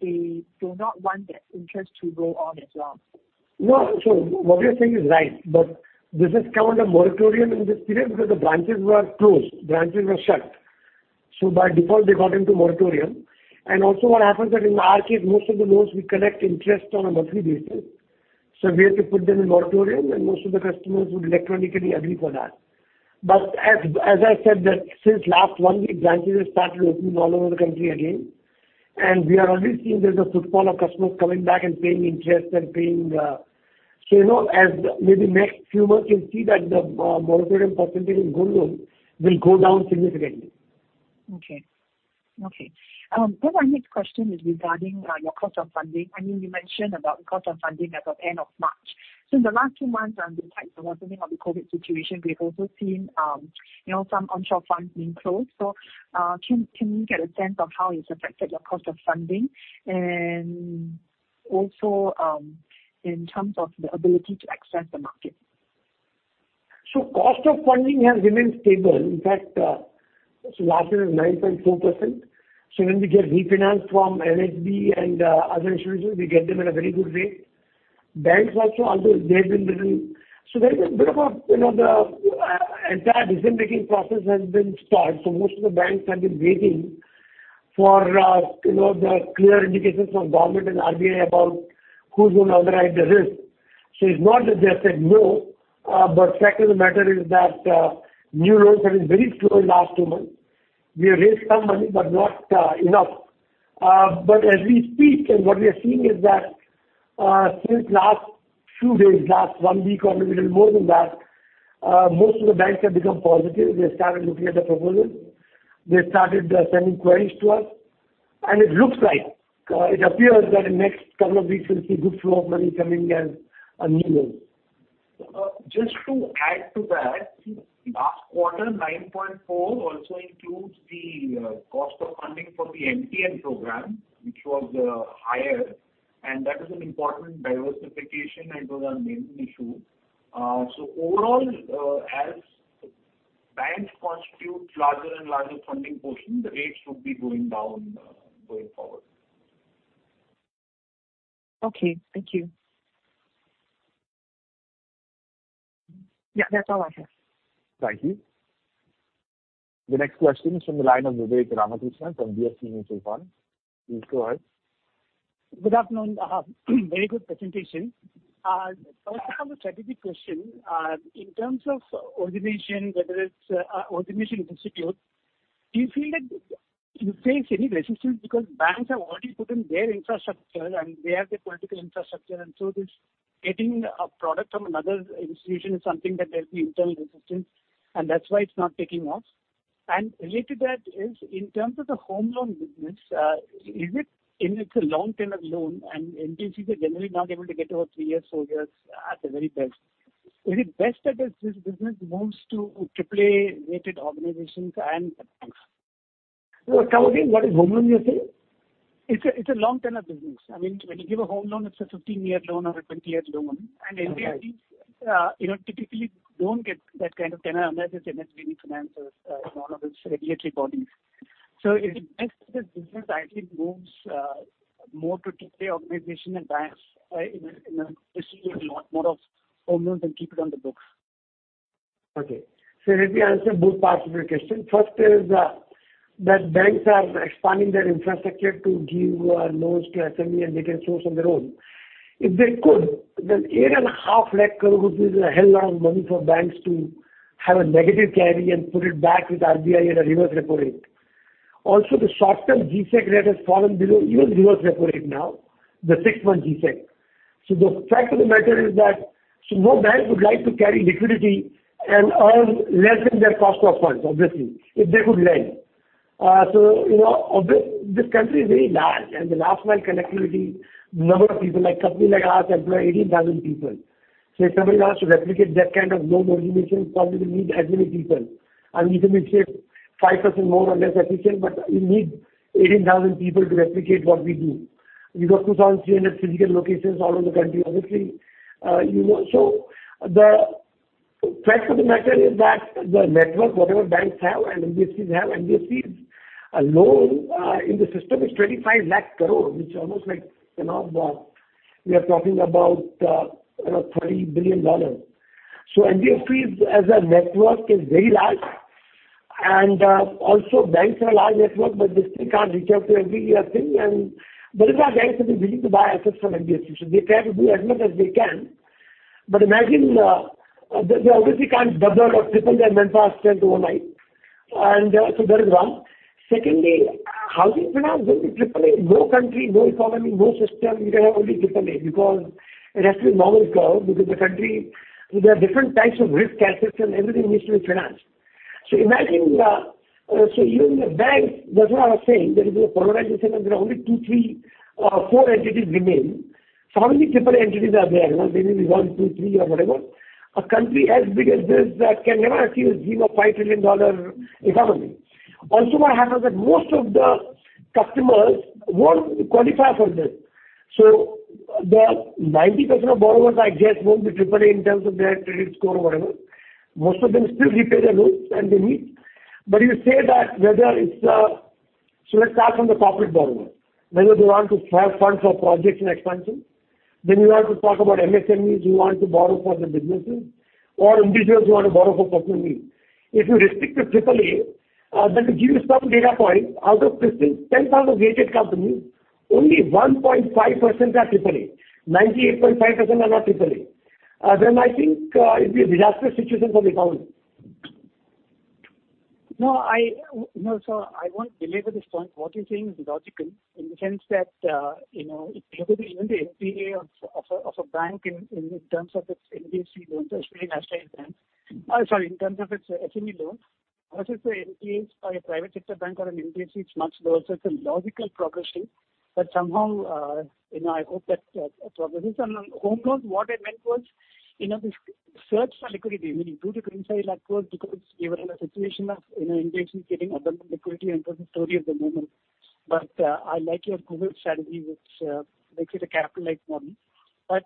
they do not want that interest to grow on as well. No. What you're saying is right, this is covered under moratorium in this period because the branches were closed. Branches were shut, by default, they got into moratorium. What happens is that in our case, most of the loans we collect interest on a monthly basis, we had to put them in moratorium, most of the customers would electronically agree for that. As I said that since last one week, branches have started opening all over the country again, we are already seeing there's a footfall of customers coming back and paying interest and paying. As maybe next few months, you'll see that the moratorium percentage in gold loans will go down significantly. My next question is regarding your cost of funding. You mentioned about cost of funding as of end of March. In the last two months, alongside the worsening of the COVID situation, we've also seen some onshore funds being closed. Can we get a sense of how it's affected your cost of funding, and also in terms of the ability to access the market? Cost of funding has remained stable. In fact, last year was 9.4%. When we get refinanced from NHB and other institutions, we get them at a very good rate. Banks also, although they've been little, there is a bit of the entire decision-making process has been stalled. Most of the banks have been waiting for the clear indications from government and RBI about who's going to underwrite the risk. It's not that they have said no. Fact of the matter is that new loans have been very slow in last two months. We have raised some money, but not enough. As we speak and what we are seeing is that since last few days, last one week, or maybe little more than that, most of the banks have become positive. They started looking at the proposal. They started sending queries to us, and it looks like, it appears that in next couple of weeks, we'll see good flow of money coming as new loans. Just to add to that, last quarter, 9.4% also includes the cost of funding for the MTN program, which was higher, and that is an important diversification and to our main issue. Overall, as banks constitute larger and larger funding portion, the rates should be going down going forward. Okay. Thank you. Yeah, that's all I have. Thank you. The next question is from the line of Vivek Ramakrishnan from DSP Mutual Fund. Please go ahead. Good afternoon. Very good presentation. First of all, a strategic question. In terms of origination, whether it's origination institute, do you feel that you face any resistance because banks have already put in their infrastructure and they have the physical infrastructure, this getting a product from another institution is something that there's the internal resistance, and that's why it's not taking off? Related to that is in terms of the home loan business, it's a long tenure loan, and NBFCs are generally not able to get over three years, four years at the very best. Is it best that this business moves to AAA-rated organizations and banks? Come again. What is home loan, you're saying? It's a long tenure business. When you give a home loan, it's a 15-year loan or a 20-year loan. NBFCs typically don't get that kind of tenure unless it's NHB refinancers or one of its related bodies. Is it best if this business actually moves more to AAA organization and banks, receiving a lot more of home loans and keep it on the books? Okay. Let me answer both parts of your question. First is that banks are expanding their infrastructure to give loans to SME and they can source on their own. If they could, 8.5 lakh crore is a hell lot of money for banks to have a negative carry and put it back with RBI at a reverse repo rate. Also, the short-term G-Sec rate has fallen below even reverse repo rate now, the six-month G-Sec. The fact of the matter is that no bank would like to carry liquidity and earn less than their cost of funds, obviously, if they could lend. This country is very large and the last-mile connectivity, number of people, like company like us employ 18,000 people. If somebody has to replicate that kind of loan origination, probably need as many people. You can be say 5% more or less efficient, but you need 18,000 people to replicate what we do. We got 2,300 physical locations all over the country, obviously. The fact of the matter is that the network, whatever banks have and NBFCs have, NBFCs loan in the system is 25 lakh crore, which almost like, we are talking about $30 billion. NBFCs as a network is very large and also banks are a large network, but they still can't reach out to every thing. There is no bank that is willing to buy assets from NBFCs. They try to do as much as they can. Imagine, they obviously can't double or triple their man power strength overnight. That is one. Secondly, housing finance going to AAA. No country, no economy, no system you can have only AAA because it has to be normal curve because the country, there are different types of risk assets, and everything needs to be financed. Imagine, even the banks, that's what I was saying, that if there's a polarization and there are only two, three or four entities remain. How many AAA entities are there? Maybe one, two, three, or whatever. A country as big as this can never achieve a $5 trillion economy. Also, what happens is that most of the customers won't qualify for this. The 90% of borrowers, I guess, won't be AAA in terms of their credit score or whatever. Most of them still repay their loans and they meet. Let's start from the corporate borrower. Whether they want to have funds for projects and expansion, you have to talk about MSMEs who want to borrow for their businesses or individuals who want to borrow for personal needs. If you restrict to AAA, that will give you some data points. Out of CRISIL's 10,000 rated companies, only 1.5% are AAA. 98.5% are not AAA. I think it will be a disastrous situation for the economy. No, I won't belabor this point. What you're saying is logical in the sense that if you look at even the NPA of a bank in terms of its NBFC loans or sorry, in terms of its SME loans versus the NPAs by a private sector bank or an NBFC, it's much lower. It's a logical progression. Somehow, I hope that progresses. Home loans, what I meant was this search for liquidity, meaning do the green side of that curve because you are in a situation of NBFCs getting abundant liquidity. I think that's the story of the moment. I like your COVID strategy, which makes it a capital light model. I'll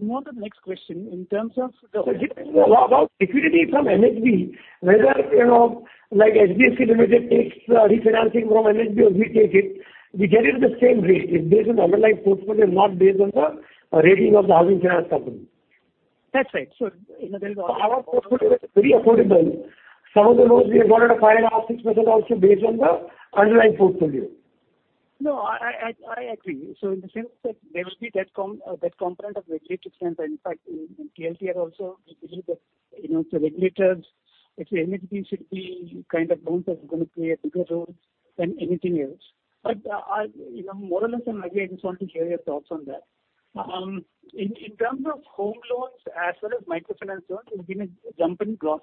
move on to the next question in terms of the. About liquidity from NHB, whether HDFC Limited takes refinancing from NHB or we take it, we get it at the same rate. It's based on the underlying portfolio, not based on the rating of the housing finance company. Our portfolio is very affordable. Some of the loans we have got at 5.5%, 6% also based on the underlying portfolio. No, I agree. In the sense that there will be that component of regulatory trends. In fact, in TLTRO also, we believe that the regulators, if the NHB-SIDBI should be kind of bound, are going to play a bigger role than anything else. More or less, and again, I just want to hear your thoughts on that. In terms of home loans as well as microfinance loans, there's been a jump in gross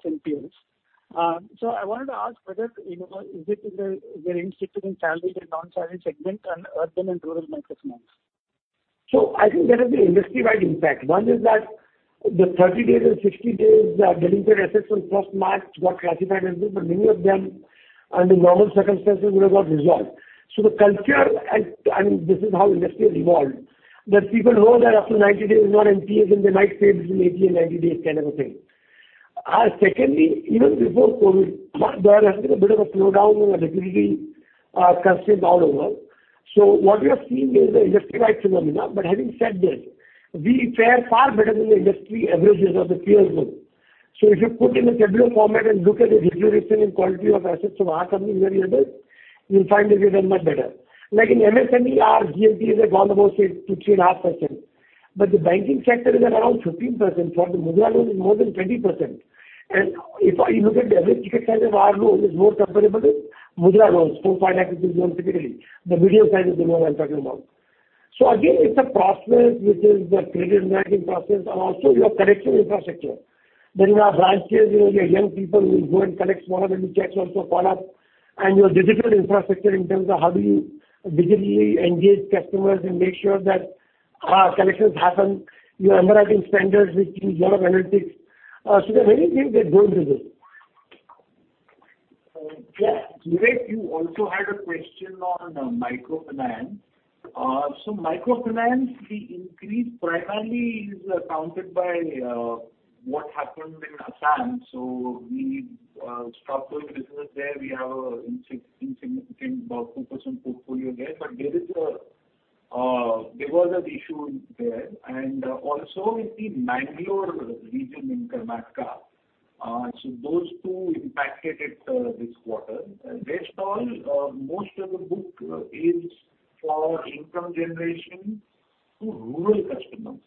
NPLs. I wanted to ask whether, is it because we are instituting salaried and non-salaried segments and urban and rural microfinance? I think there is an industry-wide impact. One is that the 30 days and 60 days delinquent assets on 1st March got classified as this, but many of them under normal circumstances would have got resolved. The culture, and this is how industry has evolved, that people know that up to 90 days is not NPAs and they might stay between 80 and 90 days, kind of a thing. Secondly, even before COVID, there has been a bit of a slowdown in the liquidity curves down overall. What we are seeing is an industry-wide phenomena. Having said this, we fare far better than the industry averages or the peers group. If you put in a tabular format and look at the deterioration in quality of assets of our company and the others, you'll find that we've done much better. In MSME, our GNPA has gone about to 3.5%. The banking sector is around 15%. For the Mudra loan, it's more than 20%. If you look at the average ticket size of our loan, it is more comparable with Mudra loans 4 lakh, 5 lakh loan typically. The median size of the loan I'm talking about. Again, it's a process, which is the credit management process, and also your collection infrastructure. There is our branches, your young people who go and collect small and checks also follow up. Your digital infrastructure in terms of how do you digitally engage customers and make sure that our collections happen. Your underwriting standards, which use a lot of analytics. There are many things that go into this. Sure. Vivek, you also had a question on microfinance. Microfinance, the increase primarily is accounted by what happened in Assam. We stopped doing business there. We have an insignificant about 2% portfolio there, but there was an issue there and also in the Mangalore region in Karnataka. Those two impacted it this quarter. Rest all, most of the book is for income generation to rural customers.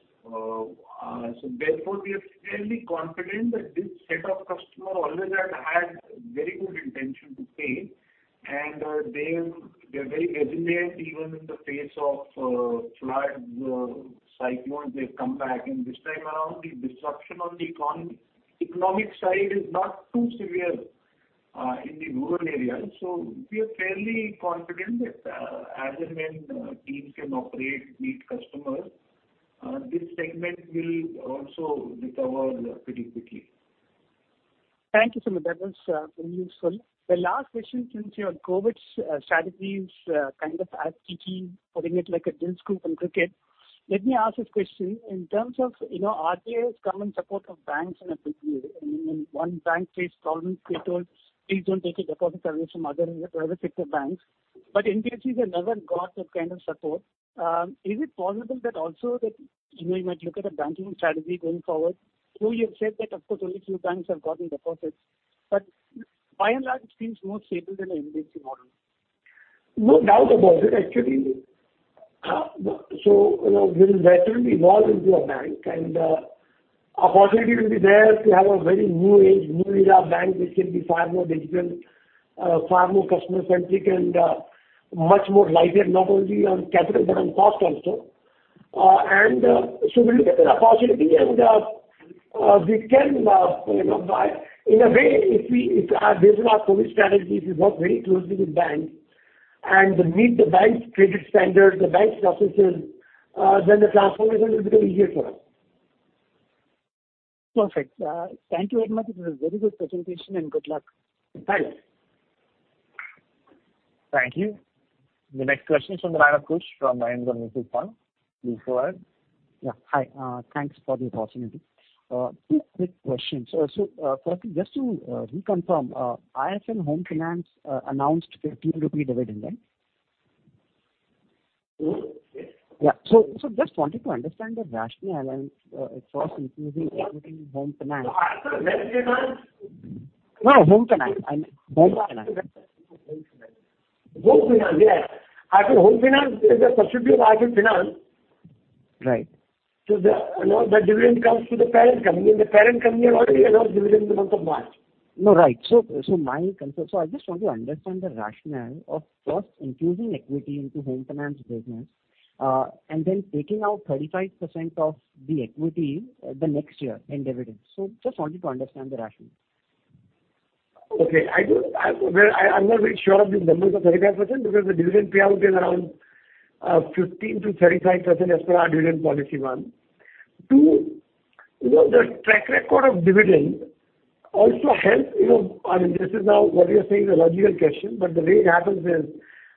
Therefore, we are fairly confident that this set of customer always had very good intention to pay, and they're very resilient even in the face of floods, cyclones, they've come back. This time around, the disruption on the economic side is not too severe in the rural areas. We are fairly confident that as and when teams can operate, meet customers, this segment will also recover pretty quickly. Thank you, Sumit. That was very useful. The last question, since your COVID strategy is kind of as tricky putting it like a Dilscoop in cricket, let me ask this question. In terms of, RBI has come in support of banks in a big way. I mean, when one bank face problems, they told, please don't take a deposit away from other private sector banks. NBFCs have never got that kind of support. Is it possible that also that you might look at a banking strategy going forward? You have said that, of course, only few banks have gotten deposits, but by and large, it seems more stable than an NBFC model. No doubt about it, actually. We will certainly evolve into a bank, and opportunity will be there to have a very new age, new era bank, which will be far more digital, far more customer-centric, and much more lighter, not only on capital but on cost also. We look at the opportunity and we can buy. In a way, based on our COVID strategy, we work very closely with banks, and meet the bank's credit standards, the bank's processes, then the transformation will be easier for us. Perfect. Thank you very much. It was a very good presentation, and good luck. Thank you. Thank you. The next question is from the line of Kush from Mahindra Mutual Fund. Please go ahead. Yeah. Hi. Thanks for the opportunity. Two quick questions. Firstly, just to reconfirm, IIFL Home Finance announced 15 rupee dividend? Yes. Yeah. I just wanted to understand the rationale and its first increasing equity in Home Finance. IIFL Home Finance? No, Home Finance. Home Finance, yes. IIFL Home Finance is a subsidiary of IIFL Finance. Right. The dividend comes to the parent company, and the parent company has already announced dividend in the month of March. No, right. I just want to understand the rationale of first infusing equity into Home Finance business, and then taking out 35% of the equity the next year in dividends. Just wanted to understand the rationale. Okay. I'm not very sure of these numbers of 35%, because the dividend payout is around 15%-35% as per our dividend policy, one. Two, the track record of dividend also helps. What you're saying is a logical question, but the way it happens is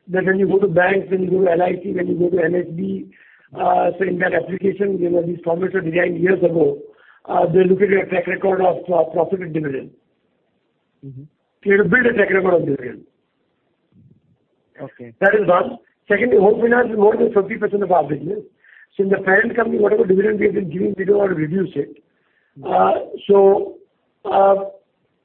that when you go to banks, when you go to LIC, when you go to NHB, say in that application, these formats were designed years ago. They're looking at a track record of profit and dividend. You have to build a track record of dividend. Okay. That is one. Secondly, Home Finance is more than 50% of our business. In the parent company, whatever dividend we have been giving, we don't want to reduce it.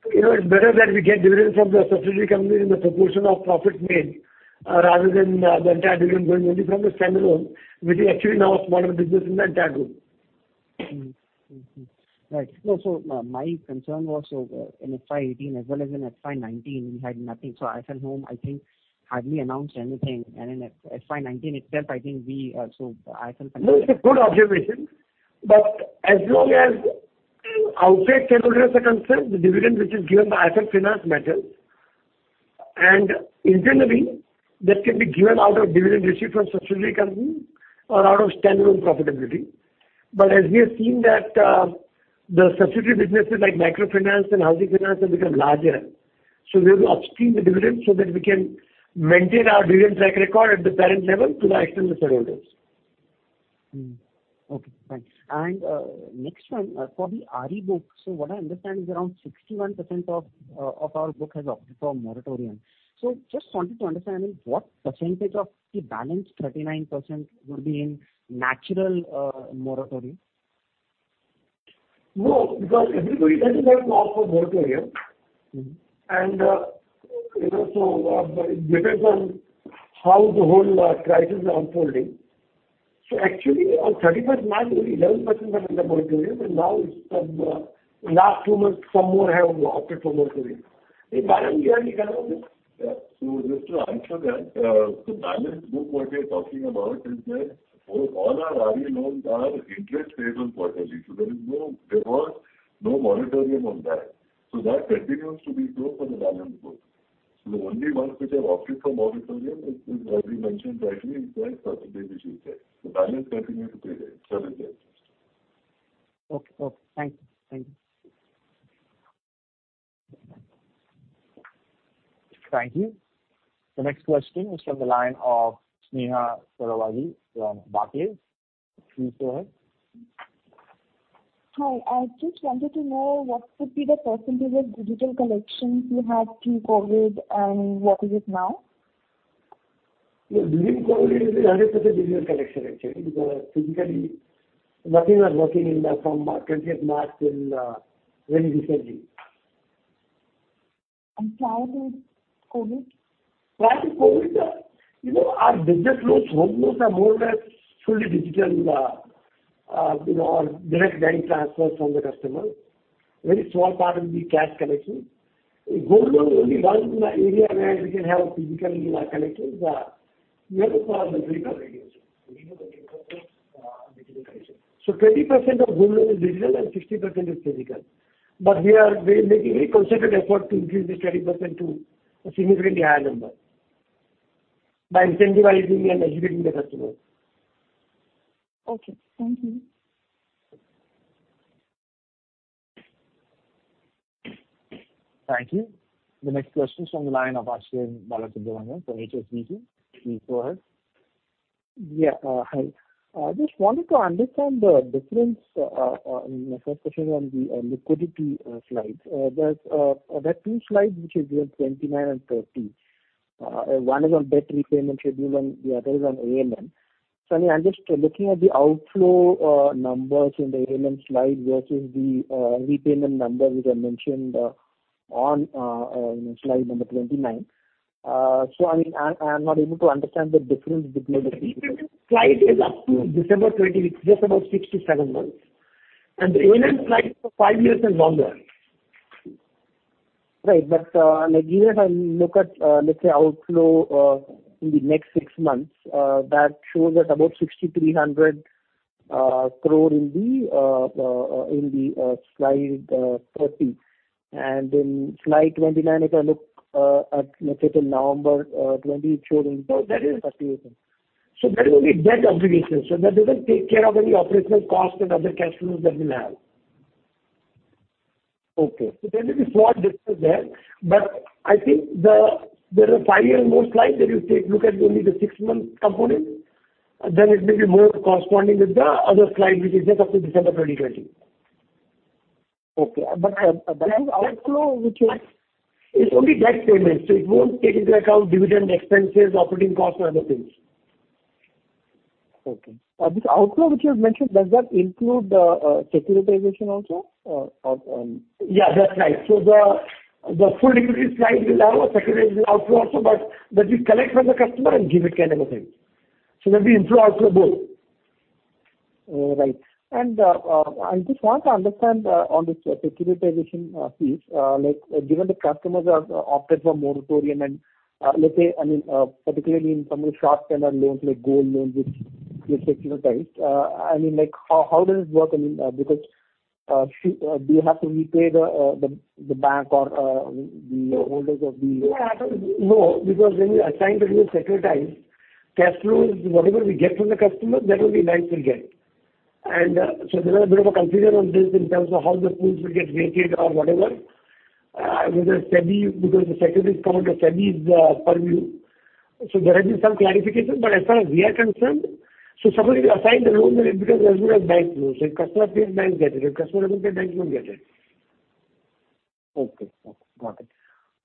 It's better that we get dividends from the subsidiary company in the proportion of profits made, rather than the entire dividend going only from the standalone, which is actually now a smaller business in the entire group. Right. My concern was in FY 2018 as well as in FY 2019, we had nothing. IIFL Home, I think, hardly announced anything. In FY 2019 itself, I think?. No, it's a good observation. As long as outside shareholders are concerned, the dividend which is given by IIFL Finance matters. Internally, that can be given out of dividend received from subsidiary company or out of standalone profitability. As we have seen that the subsidiary businesses like microfinance and housing finance have become larger, so we have to upstream the dividends so that we can maintain our dividend track record at the parent level to the extent of the shareholders. Okay, thanks. Next one, for the RE book, what I understand is around 61% of our book has opted for moratorium. Just wanted to understand, what percentage of the balance 39% would be in natural moratorium? No, because everybody doesn't have to opt for moratorium. It depends on how the whole crisis is unfolding. Actually, on 31st March, only 11% were under moratorium, but now in last two months, some more have opted for moratorium. By the way, we are recovering. Just to answer that, the balance book what we are talking about is that all our RE loans are interest payable quarterly, so there was no moratorium on that. That continues to be true for the balance book. The only ones which have opted for moratorium is, as we mentioned, 20% subsidiaries. The balance continues to pay interest. Okay. Thank you. Thank you. The next question is from the line of Sneha Sarawagi from Barclays. Please go ahead. Hi. I just wanted to know what could be the % of digital collections you had pre-COVID, and what is it now? During COVID, it was 100% digital collection actually, because physically nothing was working from 20th March till very recently. Prior to COVID? Prior to COVID, our business loans, home loans are more or less fully digital with our direct bank transfers from the customer. Very small part will be cash collection. Home loan only works in the area where we can have physical collections near the borrower. We know that it was digital collection. 20% of home loan is digital and 80% is physical. We are making a very concerted effort to increase this 20% to a significantly higher number, by incentivizing and educating the customer. Okay. Thank you. Thank you. The next question is from the line of Aswin Balasubramanian from HSBC. Please go ahead. Yeah. Hi. Just wanted to understand the difference. My first question is on the liquidity slides. There are two slides which is here, 29 and 30. One is on debt repayment schedule and the other is on ALM. I'm just looking at the outflow numbers in the ALM slide versus the repayment number which are mentioned on slide number 29. I'm not able to understand the difference between the two. Repayment slide is up to December 2020, it's just about six to seven months. The AUM slide is for five years and longer. Right. Again, if I look at, let's say, outflow in the next six months, that shows us about 6,300 crore in slide 30. In slide 29, if I look at let's say till November 2020, that is only debt obligation. That doesn't take care of any operational cost and other cash flows that we'll have. Okay. There may be small difference there, but I think there are five year and more slides. You look at only the six month component, then it may be more corresponding with the other slide, which is as of December 2020. Okay. That is outflow, which is- It's only debt payment. It won't take into account dividend, expenses, operating costs or other things. Okay. This outflow which you have mentioned, does that include securitization also? Yeah, that's right. The full liquidity slide will have a securitization outflow also, but that we collect from the customer and give it to NHB. There'll be inflow, outflow both. Right. I just want to understand on this securitization piece, given the customers have opted for moratorium and let's say, particularly in some of the short-term loans, like gold loans, which we have securitized. How does it work? Do you have to repay the bank or the holders? No. When we assign the loan securitized, cash flows, whatever we get from the customer, that only banks will get. There is a bit of a confusion on this in terms of how the pools will get rated or whatever. The securitization comes under SEBI's purview. There has been some clarification. As far as we are concerned, somebody who assigned the loan as good as bank loans. If customer pays banks, get it. If customer doesn't pay, banks won't get it. Okay. Got it.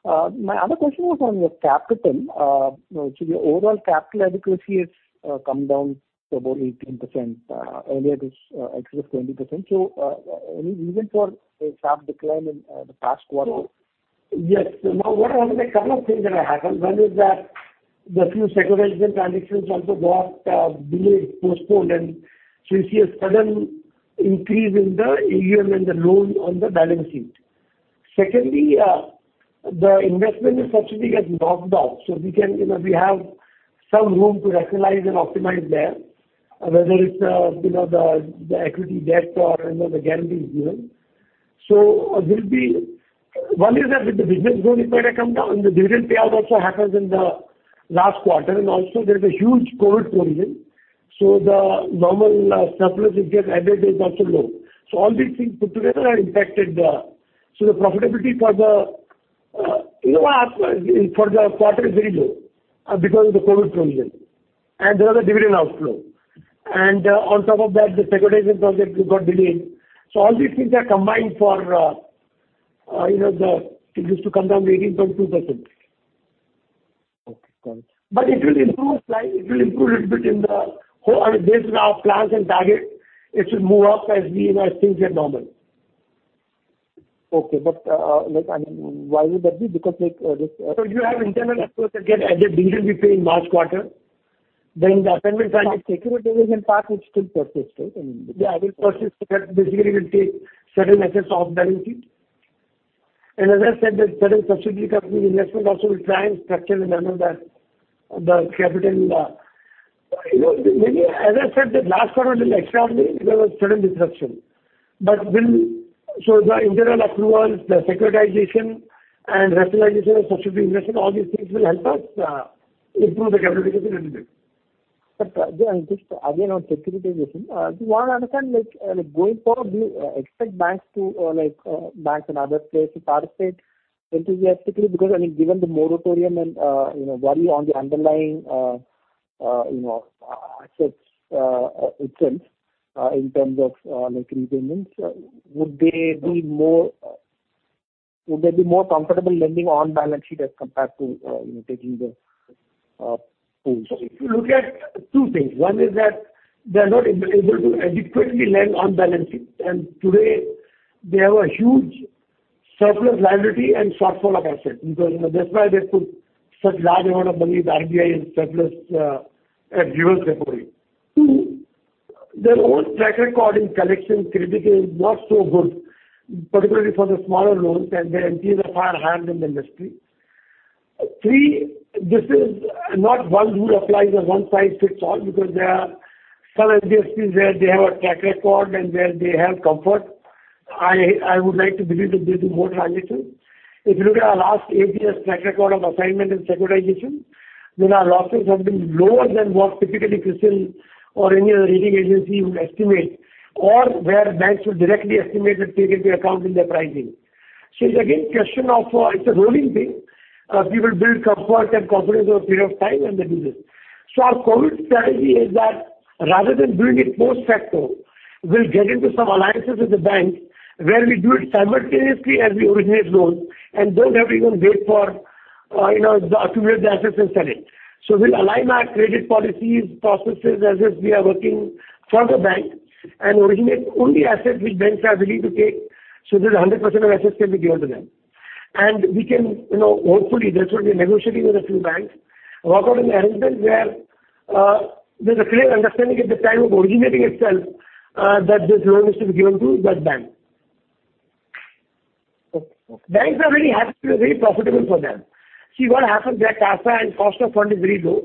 My other question was on your capital. Your overall capital adequacy has come down to about 18%. Earlier it was excess 20%. Any reason for a sharp decline in the past quarter? Yes. There are only a couple of things that have happened. One is that the few securitization transactions also got delayed, postponed, and so you see a sudden increase in the AUM and the loan on the balance sheet. Secondly, the investment in subsidiary has knocked off. We have some room to rationalize and optimize there, whether it's the equity debt or the guarantees given. One is that with the business growth impact come down, the dividend payout also happens in the last quarter and also there's a huge COVID provision. The normal surplus which gets added is also low. All these things put together are impacted. The profitability for the quarter is very low because of the COVID provision and there was a dividend outflow. On top of that, the securitization project got delayed. All these things are combined for this to come down to 18.2%. Okay, got it. It will improve a little bit based on our plans and target. It should move up as things get normal. Okay. Why would that be? You have internal accruals that get added. Dividend we pay in March quarter. The assignment Securitization part will still persist, right? Yeah, will persist. That basically will take certain assets off the balance sheet. As I said, that certain subsidiary company investment also will try and structure in a manner. As I said, that last quarter was extraordinary because there was sudden disruption. The internal accruals, the securitization and rationalization of subsidiary investment, all these things will help us improve the capital adequacy a little bit. Just again on securitization, we want to understand, going forward, do you expect banks and other players to participate enthusiastically? Because given the moratorium and worry on the underlying assets itself in terms of repayments, would they be more comfortable lending on balance sheet as compared to taking the pools? If you look at two things. One is that they are not able to adequately lend on balance sheet. Today they have a huge surplus liability and shortfall of assets. That's why they put such large amount of money with RBI at reverse repo rate. Two, their own track record in collection credit is not so good, particularly for the smaller loans and their NPAs are higher than the industry. Three, this is not one rule applies or one size fits all because there are some NBFCs where they have a track record and where they have comfort. I would like to believe that they'll be more transition. If you look at our last eight years track record of assignment and securitization, then our losses have been lower than what typically CRISIL or any other rating agency would estimate or where banks would directly estimate and take into account in their pricing. It's again, it's a rolling thing. We will build comfort and confidence over a period of time and they'll do this. Our COVID strategy is that rather than doing it post facto, we'll get into some alliances with the bank where we do it simultaneously as we originate loans and don't have even wait to build the assets and sell it. We'll align our credit policies, processes as if we are working for the bank and originate only assets which banks are willing to take. That 100% of assets can be given to them. Hopefully, that's what we're negotiating with a few banks. Work out an arrangement where there's a clear understanding at the time of originating itself that this loan is to be given to that bank. Banks are very happy. It's very profitable for them. See what happens, their CASA and cost of fund is very low.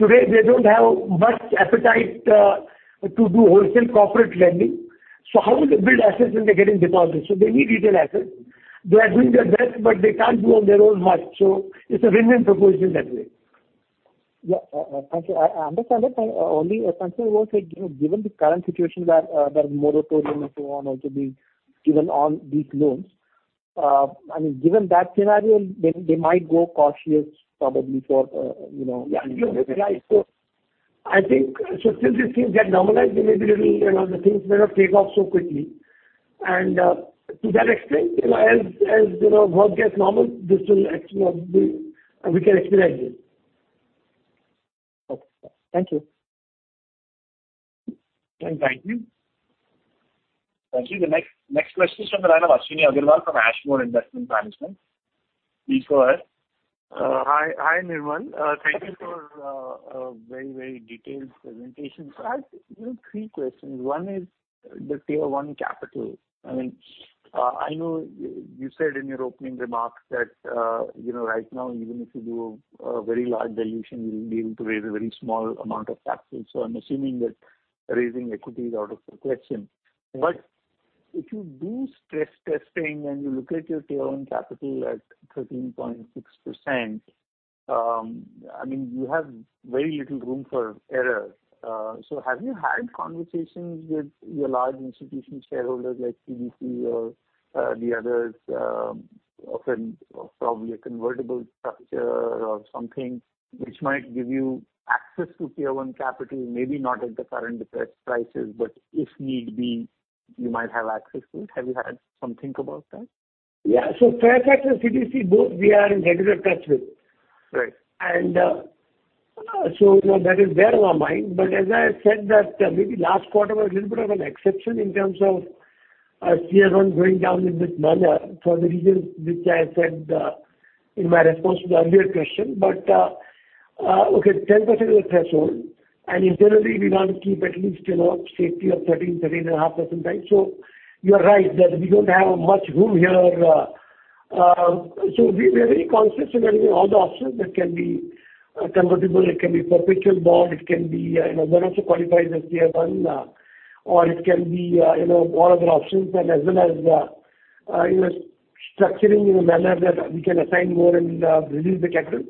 Today they don't have much appetite to do wholesale corporate lending. How will they build assets when they're getting deposits? They need retail assets. They are doing their best, but they can't do on their own much. It's a win-win proposition that way. Yeah. Thank you. I understand that. Only concern was that given the current situation where there are moratorium and so on also being given on these loans. Given that scenario, they might go cautious probably. Yeah. You're right. I think, still these things get normalized, the things may not take off so quickly. To that extent, as world gets normal, we can expedite this. Okay. Thank you. Thank you. The next question is from the line of Ashwini Agarwal from Ashmore Investment Management. Please go ahead. Hi, Nirmal. Thank you for a very detailed presentation. I have three questions. One is the Tier 1 capital. I know you said in your opening remarks that right now, even if you do a very large dilution, you will be able to raise a very small amount of capital. I am assuming that raising equity is out of the question. If you do stress testing and you look at yourTier 1 capital at 13.6%, you have very little room for error. Have you had conversations with your large institution shareholders like CDC or the others of probably a convertible structure or something which might give you access to Tier 1 capital? Maybe not at the current depressed prices, but if need be, you might have access to it. Have you had some thought about that? Yeah. Fairfax and CDC, both we are in regular touch with. That is there on our mind. As I said that maybe last quarter was a little bit of an exception in terms of Tier 1 going down in this manner for the reasons which I have said in my response to the earlier question. Okay, 10% is the threshold and internally we want to keep at least safety of 13%, 13.5%. You are right that we don't have much room here. We're very conscious and reviewing all the options that can be convertible, it can be perpetual bond, it can be that also qualifies as Tier 1 or it can be all other options and as well as structuring in a manner that we can assign more and release the capital.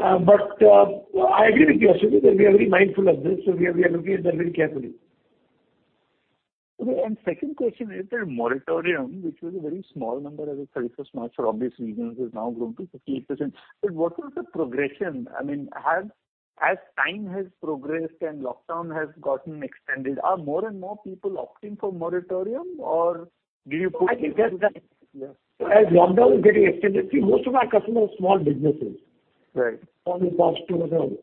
I agree with you, Ashwini, that we are very mindful of this. We are looking at that very carefully. Okay. Second question is that moratorium, which was a very small number as of 31st March for obvious reasons, has now grown to 58%. What was the progression? As time has progressed and lockdown has gotten extended, are more and more people opting for moratorium? I think that's right. As lockdown was getting extended, see, most of our customers are small businesses. Small to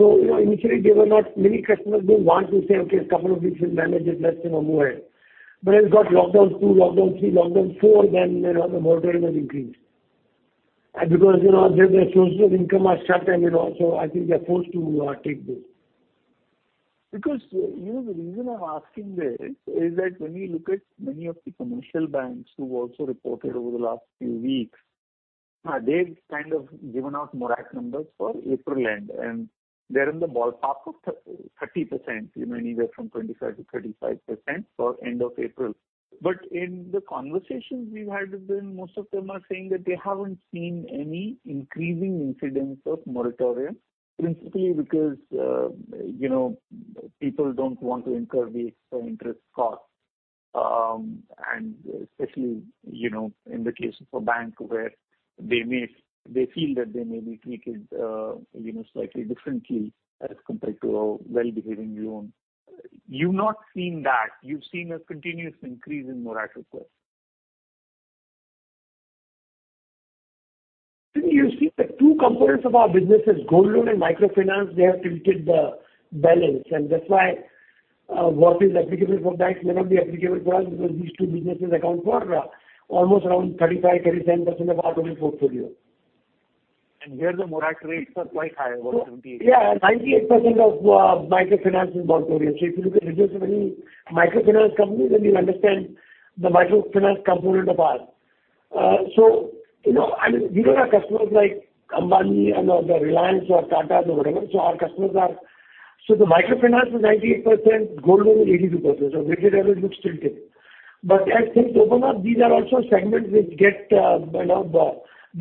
medium. Initially they were not, many customers were wanting to say, okay, a couple of weeks we'll manage it. Let's move ahead As you got lockdown two, lockdown three, lockdown four, the moratorium has increased. Because their sources of income are struck, I think they're forced to take this. The reason I'm asking this is that when you look at many of the commercial banks who've also reported over the last few weeks, they've kind of given out morat numbers for April end and they're in the ballpark of 30%, either from 25%-35% for end of April. In the conversations we've had with them, most of them are saying that they haven't seen any increasing incidents of moratorium, principally because people don't want to incur the extra interest cost. Especially in the case of a bank where they feel that they may be treated slightly differently as compared to a well-behaving loan. You've not seen that. You've seen a continuous increase in morat requests. Ashwini, you see the two components of our business is gold loan and micro finance. They have tilted the balance and that's why what is applicable for banks may not be applicable for us because these two businesses account for almost around 35%-37% of our total portfolio. Here the moratorium rates are quite higher about 70%-80%? Yeah. 98% of microfinance is moratorium. If you look at reducing any microfinance companies, then you understand the microfinance component of ours. We don't have customers like Ambani or the Reliance or Tatas or whatever. The microfinance is 98%, gold loan is 82%. Weighted average looks tilted. As things open up, these are also segments which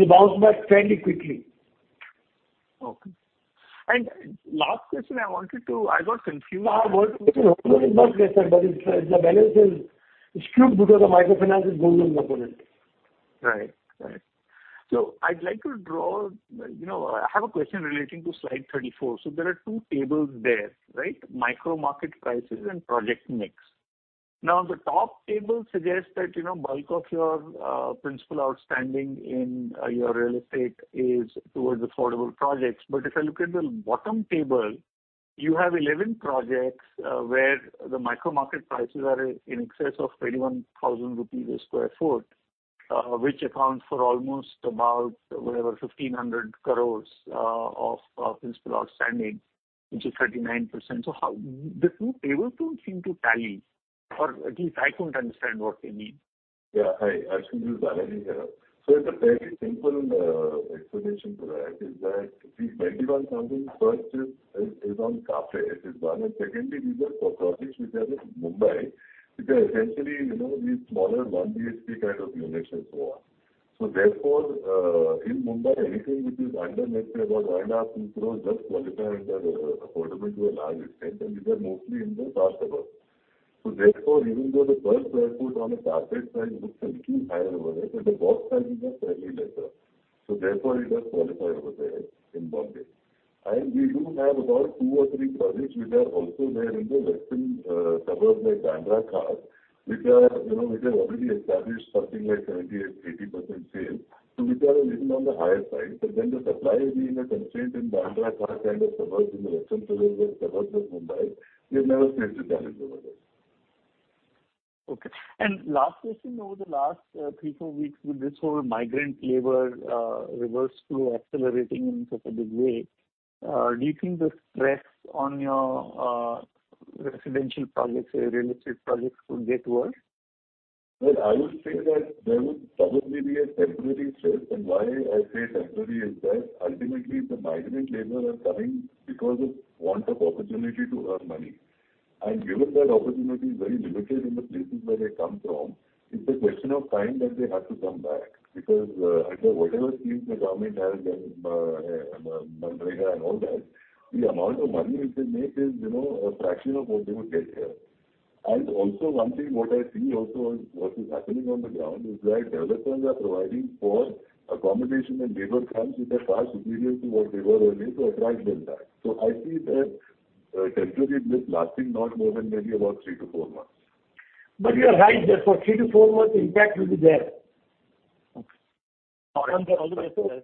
bounce back fairly quickly. Okay. Last question, I got confused. Our working is not less than, but the balance is skewed because of micro finance and gold loan component. Right. I have a question relating to slide 34. There are two tables there. Micro market prices and project mix. The top table suggests that bulk of your principal outstanding in your real estate is towards affordable projects. If I look at the bottom table, you have 11 projects where the micro market prices are in excess of 21,000 rupees a square foot. Which accounts for almost about 1,500 crores of principal outstanding, which is 39%. The two tables don't seem to tally, or at least I couldn't understand what they mean. Yeah. Ashwini, this is Balaji here. It's a very simple explanation for that, is that the 21,000 per square foot is on carpet, this is one. Secondly, these are projects which are in Mumbai, which are essentially these smaller one BHK kind of units and so on. Therefore, in Mumbai, anything which is under net about 1.5 crore or 2 crore qualifies under affordable to a large extent, and these are mostly in the suburbs. Therefore, even though the first report on a carpet price looks a little higher over there, but the box price is fairly lesser. Therefore, it does qualify over there in Mumbai. We do have about two or three projects which are also there in the western suburbs like Bandra -Khar, which have already established something like 78%, 80% sales. Which are a little on the higher side. When the supply is in a constraint in Bandra-Khar kind of suburbs in the western suburbs of Mumbai, we have never failed to deliver over there. Okay. Last question, over the last three, four weeks with this whole migrant labor reverse flow accelerating in such a big way, do you think the stress on your residential projects, say real estate projects, could get worse? Well, I would think that there would probably be a temporary stress. Why I say temporary is that ultimately the migrant labor are coming because of want of opportunity to earn money. Given that opportunity is very limited in the places where they come from, it's a question of time that they have to come back, because under whatever schemes the government has, MGNREGA and all that, the amount of money they can make is a fraction of what they would get here. Also one thing, what I see also what is happening on the ground is that developers are providing for accommodation and labor camps which are far superior to what they were earlier to attract them back. I see that temporary lasting not more than maybe about three to four months. You are right there, for three to four months, the impact will be there. Okay. All the best.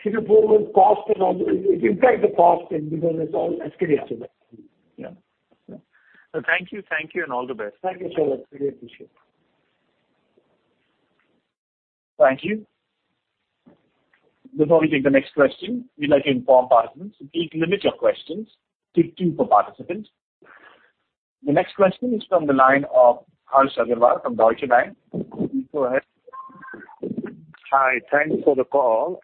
Three to four months cost and all. It impacts the cost and because it's all escalating. Yeah. Sir, thank you, and all the best. Thank you so much. Really appreciate it. Thank you. Before we take the next question, we would like to inform participants to please limit your questions to two per participant. The next question is from the line of Harsh Agarwal from Deutsche Bank. Please go ahead. Hi. Thanks for the call.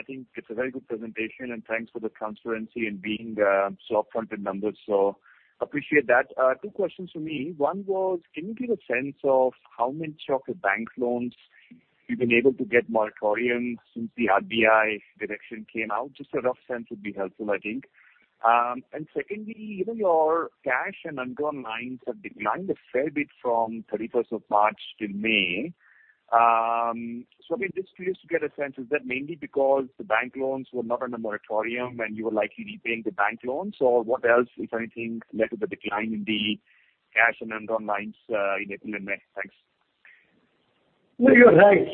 I think it's a very good presentation, and thanks for the transparency and being so upfront with numbers. Appreciate that. Two questions from me. One was, can you give a sense of how many of the bank loans you've been able to get moratorium since the RBI direction came out? Just a rough sense would be helpful, I think. Secondly, even your cash and undrawn lines have declined a fair bit from 31st of March till May. I mean, just curious to get a sense, is that mainly because the bank loans were not under moratorium and you were likely repaying the bank loans? What else, if anything, led to the decline in the cash and undrawn lines in the net? Thanks. No, you're right.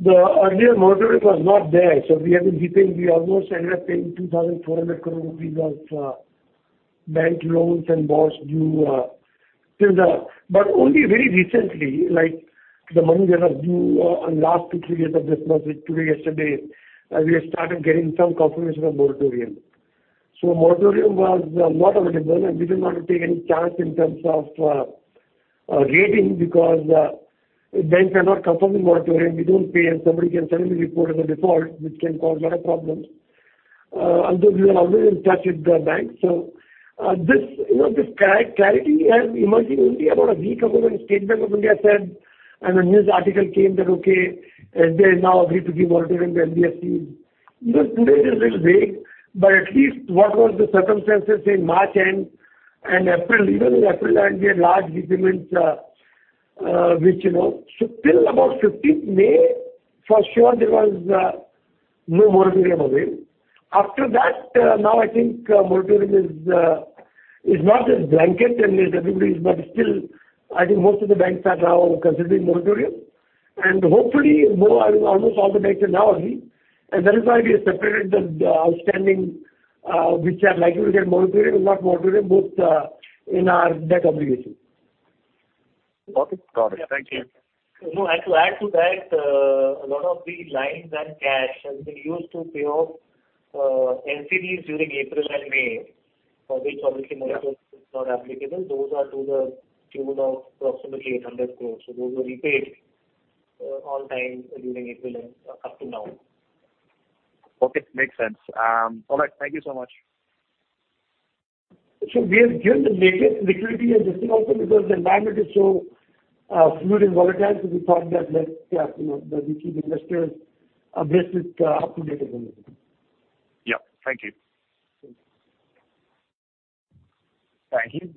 The earlier moratorium was not there. We have been repaying. We almost ended up paying 2,400 crore rupees of bank loans and bonds due till that. Only very recently, like the money that was due last two, three days of this month, today, yesterday, we have started getting some confirmation of moratorium. Moratorium was not available, and we did not take any chance in terms of rating because banks are not confirming moratorium. We don't pay, and somebody can suddenly report as a default, which can cause a lot of problems. Although we were always in touch with the banks. This clarity has emerged only about a week ago when State Bank of India said, and a news article came that okay, SBI has now agreed to give moratorium to NBFCs. Even today it is a little vague, but at least what was the circumstances in March end and April. Even in April end, we had large repayments. Till about 15th May, for sure there was no moratorium available. After that, now I think moratorium is not as blanket and as everybody's, but still, I think most of the banks are now considering moratorium, and hopefully almost all the banks have now agreed. That is why we have separated the outstanding which are likely to get moratorium and not moratorium, both in our debt obligation. Got it. Thank you. To add to that, a lot of the lines and cash has been used to pay off NCDs during April and May, for which obviously moratorium is not applicable. Those are to the tune of approximately 800 crores. Those were repaid on time during April and up to now. Okay, makes sense. All right, thank you so much. We have given the latest liquidity as listing also because the environment is so fluid and volatile. We thought that let's keep investors abreast with up-to-date information. Yeah. Thank you. Thank you..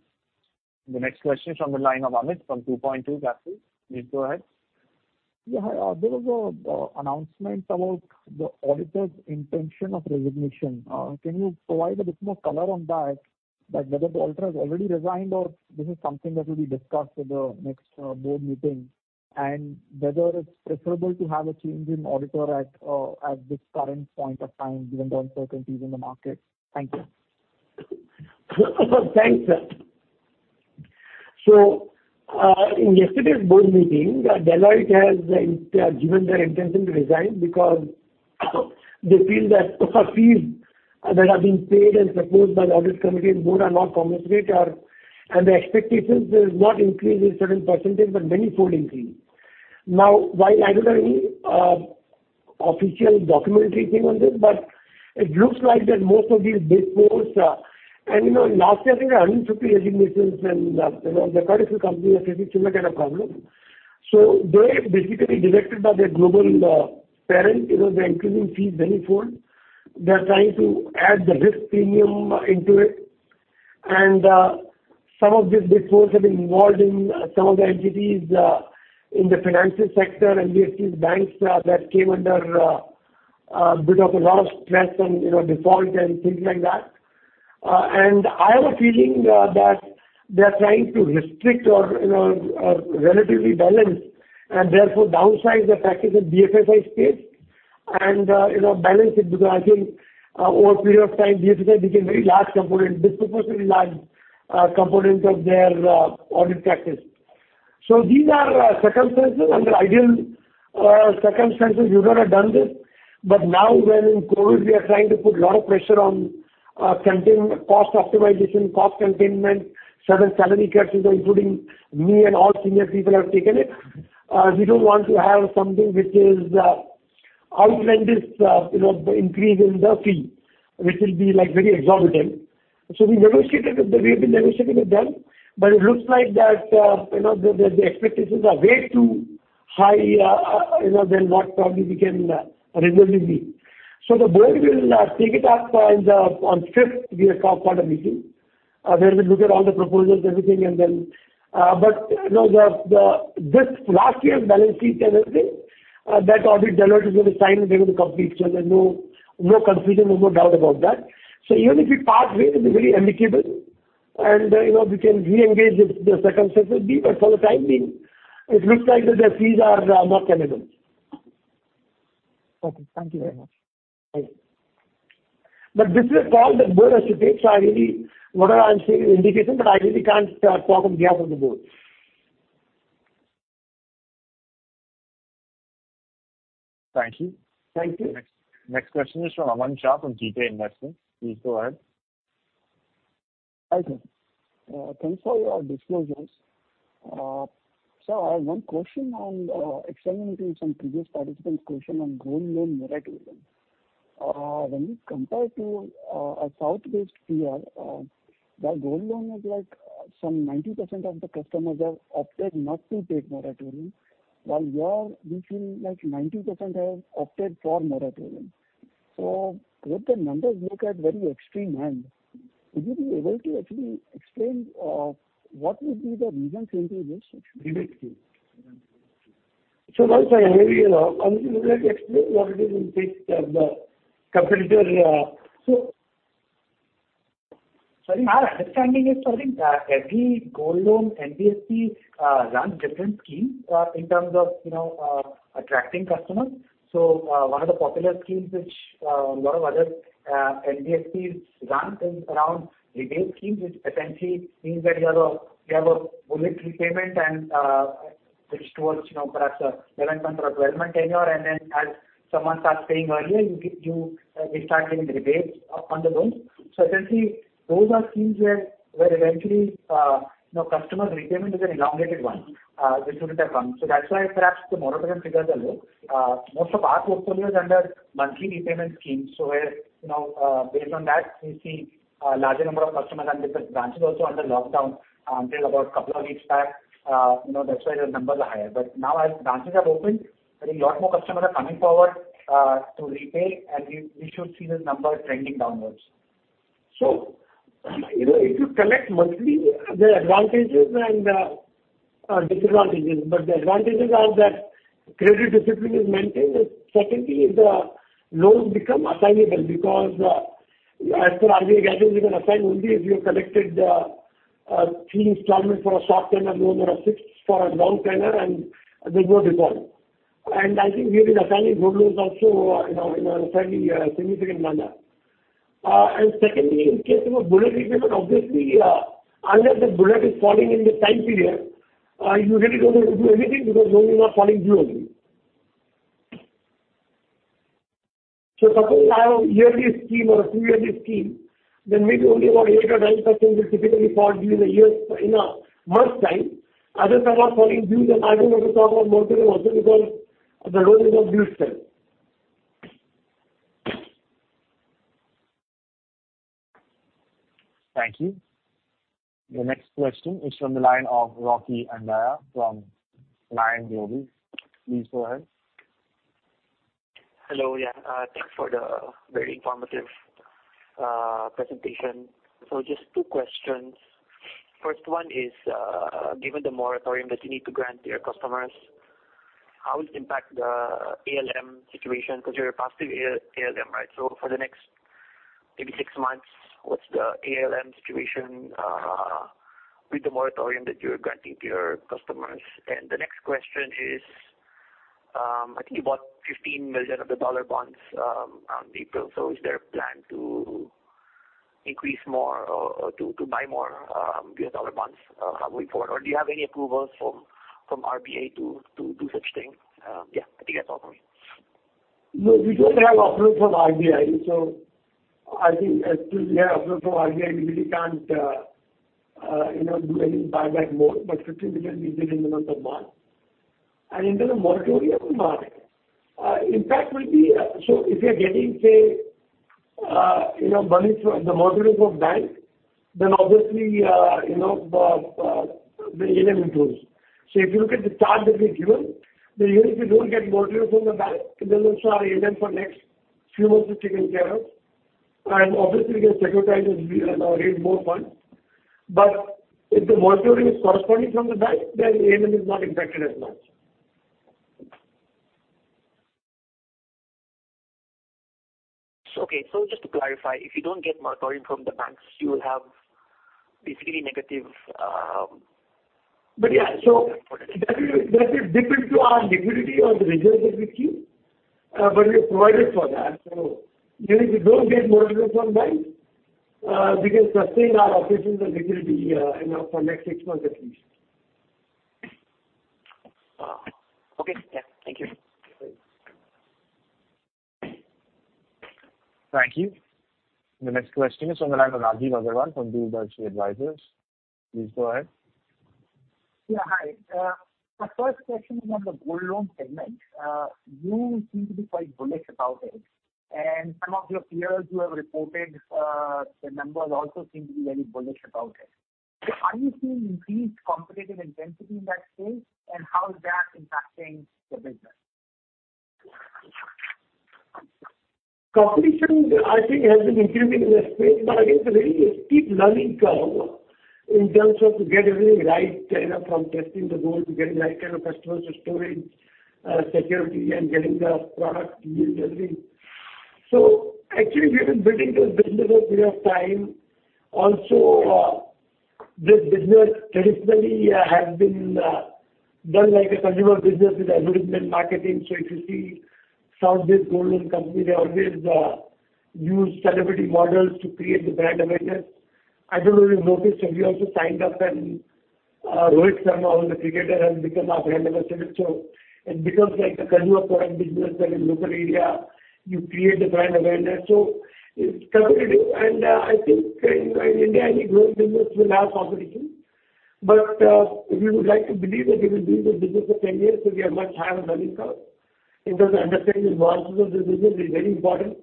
The next question is from the line of Amit from 2Point2 Capital. Please go ahead. Yeah. Hi. There was an announcement about the auditor's intention of resignation. Can you provide a bit more color on that, like whether the auditor has already resigned or this is something that will be discussed at the next board meeting? Whether it's preferable to have a change in auditor at this current point of time, given the uncertainties in the market. Thank you. Thanks, sir. In yesterday's board meeting, Deloitte has given their intention to resign because they feel that such fees that are being paid and proposed by the audit committee and board are not commensurate, and the expectations is not increase in certain percentage but manifold increase. While I don't have any official documentary thing on this, but it looks like that most of these Big Fours and last year, I think 150 resignations and there were quite a few companies facing similar kind of problem. They're basically directed by their global parent. They're increasing fees manifold. They're trying to add the risk premium into it. Some of these Big Fours have been involved in some of the entities in the financial sector, NBFCs, banks that came under a bit of a lot of stress and default and things like that. I have a feeling that they're trying to restrict or relatively balance and therefore downsize their practice in BFSI space and balance it because I think over a period of time, BFSI became very large component, disproportionately large component of their audit practice. These are circumstances. Under ideal circumstances, we would have done this. Now, when in COVID, we are trying to put lot of pressure on cost optimization, cost containment. Certain salary cuts including me and all senior people have taken it. We don't want to have something which is outlandishly increase in the fee, which will be very exorbitant. We've been negotiating with them. It looks like that the expectations are way too high than what probably we can reasonably meet. The board will take it up on 5th, we have a quarter meeting, where we'll look at all the proposals, everything. This last year's balance sheet and everything, that audit Deloitte is going to sign and they're going to complete. There's no confusion, no doubt about that. Even if we part ways, it'll be very amicable and we can re-engage if the circumstances be, but for the time being, it looks like that their fees are not tenable. Okay. Thank you very much. Thank you. This is a call that board has to take, so whatever I am saying is indicative, but I really can't talk on behalf of the board. Thank you. Thank you. Next question is from Aman Shah from Jeetay Investments. Please go ahead. Hi sir. Thanks for your disclosures. Sir, I have one question on extending to some previous participant's question on gold loan moratorium. When you compare to a South-based peer, the gold loan is like some 90% of the customers have opted not to take moratorium, while you are looking like 90% have opted for moratorium. Both the numbers look at very extreme ends. Would you be able to actually explain what would be the reason since this actually? While I agree, Aman, you would like to explain what it is with the competitor. Sorry. Our understanding is, I think, every gold loan NBFC runs different schemes in terms of attracting customers. One of the popular schemes which a lot of other NBFCs run is around rebate schemes, which essentially means that you have a bullet repayment and which towards perhaps 11-month or 12-month tenure, and then as Sumit was saying earlier, you start getting rebates on the loans. Essentially, those are schemes where eventually customer repayment is an elongated one. This wouldn't have come. That's why perhaps the moratorium figures are low. Most of our portfolio is under monthly repayment schemes. Where, based on that, we see a larger number of customers, and because branches also under lockdown until about a couple of weeks back, that's why the numbers are higher. Now as branches have opened, I think a lot more customers are coming forward to repay, and we should see this number trending downwards. If you collect monthly, there are advantages and disadvantages. The advantages are that credit discipline is maintained, and secondly, the loans become assignable because as per RBI guidelines, you can assign only if you have collected three installments for a short-tenor loan or a six for a long tenor, and they both default. I think we have been assigning gold loans also in a fairly significant manner. Secondly, in case of a bullet repayment, obviously, unless the bullet is falling in this time period, you really don't have to do anything because loan is not falling due on you. Suppose I have a yearly scheme or a two-yearly scheme, then maybe only about 8% or 9% will typically fall during the year in a month's time. Other fellows falling due, I don't have to talk about moratorium also because the loan is not due still. Thank you. The next question is from the line of Rocky Andaya from Lion Global. Please go ahead. Hello. Thanks for the very informative presentation. Just two questions. First one is, given the moratorium that you need to grant your customers, how will it impact the ALM situation? You're a positive ALM, right? For the next maybe six months, what's the ALM situation with the moratorium that you're granting to your customers? The next question is. I think you bought $15 million of the dollar bonds on April. Is there a plan to increase more or to buy more U.S. dollar bonds going forward? Do you have any approvals from RBI to do such things? I think that's all from me. We don't have approval from RBI. I think until we have approval from RBI, we really can't do any buyback more, but $15 million we did in the month of March. In terms of moratorium from bank. If we are getting, say, the moratorium from bank, then obviously, the ALM improves. If you look at the chart that we've given, even if we don't get moratorium from the bank, it will also our ALM for next few months is taken care of. Obviously, we can securitize and raise more funds. If the moratorium is corresponding from the bank, then ALM is not impacted as much. Okay. Just to clarify, if you don't get moratorium from the banks, you will have basically negative? Yeah. That will dip into our liquidity or the reserves that we keep. We have provided for that. Even if we don't get moratorium from banks, we can sustain our operations and liquidity for the next six months at least. Okay. Yeah. Thank you. Thank you. The next question is from the line of Rajeev Agarwal from DoorDarshi Advisors. Please go ahead. Yeah. Hi. My first question is on the gold loan segment. You seem to be quite bullish about it, and some of your peers who have reported their numbers also seem to be very bullish about it. Are you seeing increased competitive intensity in that space? How is that impacting the business? Competition, I think, has been increasing in the space, I think it's a very steep learning curve in terms of to get everything right from testing the gold to getting the right kind of customers to storage, security and getting the product yield, everything. Actually, we have been building this business over a period of time. Also, this business traditionally has been done like a consumer business with advertisement marketing. If you see, some of these gold loan companies always use celebrity models to create the brand awareness. I don't know if you noticed that we also signed up Rohit Sharma, the cricketer, has become our brand ambassador. It becomes like a consumer product business that in local area you create the brand awareness. It's competitive, and I think in India, any growing business will have competition. We would like to believe that we have been doing this business for 10 years so we are much higher on the learning curve in terms of understanding the nuances of this business is very important.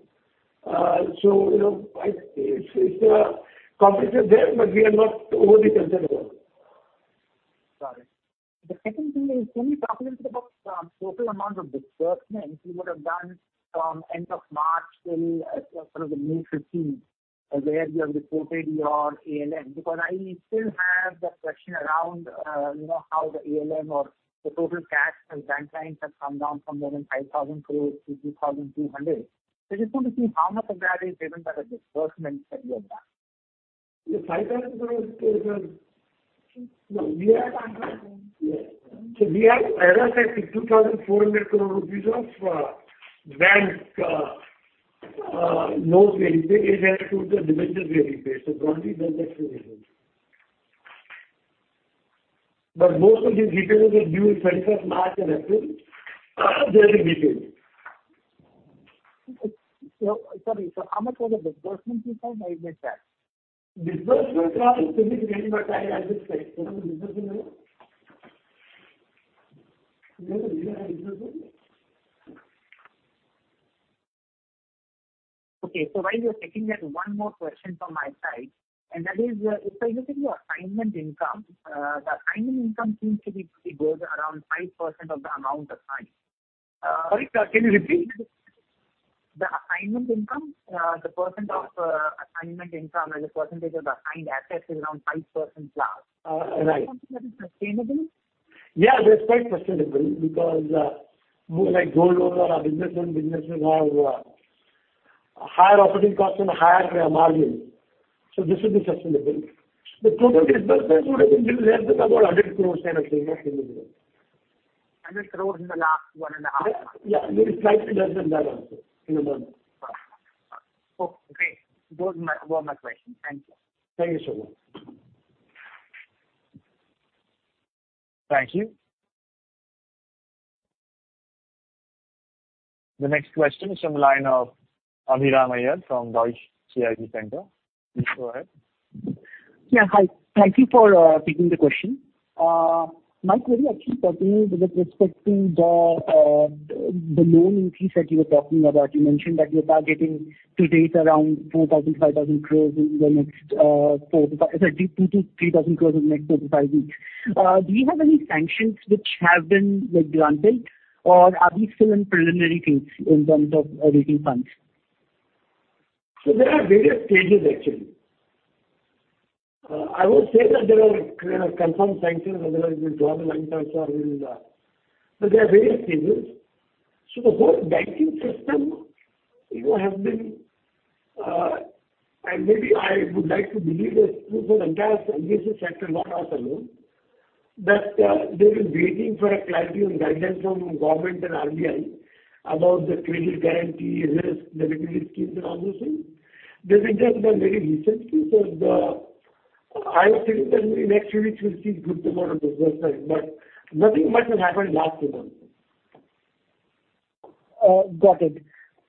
Competition is there, but we are not overly concerned about it. Got it. The second thing is, can you talk a little bit about total amount of disbursements you would have done from end of March till sort of the May 15, where you have reported your ALM? I still have the question around how the ALM or the total cash and bank lines have come down from more than 5,000 crore to 2,200. Just wanted to see how much of that is driven by the disbursements that you have done. We have as I said, 2,400 crores rupees of bank loans we have repaid. INR 800 crore of NCD we’ve repaid. Broadly that's the reason. Most of these repayments were due in 31st March and April, they have been repaid. Sorry. How much was the disbursement you found by mid-May? Disbursement was pretty minimal. I just said. Do you have the disbursement number? Rajesh, do you have disbursement? Okay. While you're checking that, one more question from my side, and that is, if I look at your assignment income, the assignment income seems to be pretty good around 5% of the amount assigned. Sorry. Can you repeat? The assignment income, the percent of assignment income as a percentage of assigned assets is around 5%+. Right. Is that something that is sustainable? Yeah, that's quite sustainable because more like gold loan or our business loan businesses have higher operating costs and higher margins. This would be sustainable. The total disbursement would have been little less than about 100 crores kind of thing approximately. 100 crores in the last one and a half months. Yeah. Maybe slightly less than that also in the month. Okay. Those were my questions. Thank you. Thank you so much. Thank you. The next question is from the line of Abhiram Iyer from Deutsche CIB Centre. Please go ahead. Yeah. Hi. Thank you for taking the question. My query actually pertaining with respecting the loan increase that you were talking about. You mentioned that you're targeting to raise around 4,000 crore-5,000 crore in the next four to five Sorry, 2,000 crore-3,000 crore in the next four to five weeks. Do you have any sanctions which have been granted, or are we still in preliminary things in terms of releasing funds? There are various stages, actually. I would say that there are confirmed sanctions, otherwise we draw the line of sanctions. There are various stages. Maybe I would like to believe this too, for the entire NBFC sector, not us alone, that they've been waiting for a clarity and guidance from government and RBI about the credit guarantee, the liquidity scheme and all those things. This has just been very recent. I think that in next few weeks, we'll see good amount of business there, but nothing much has happened last fiscal. Got it.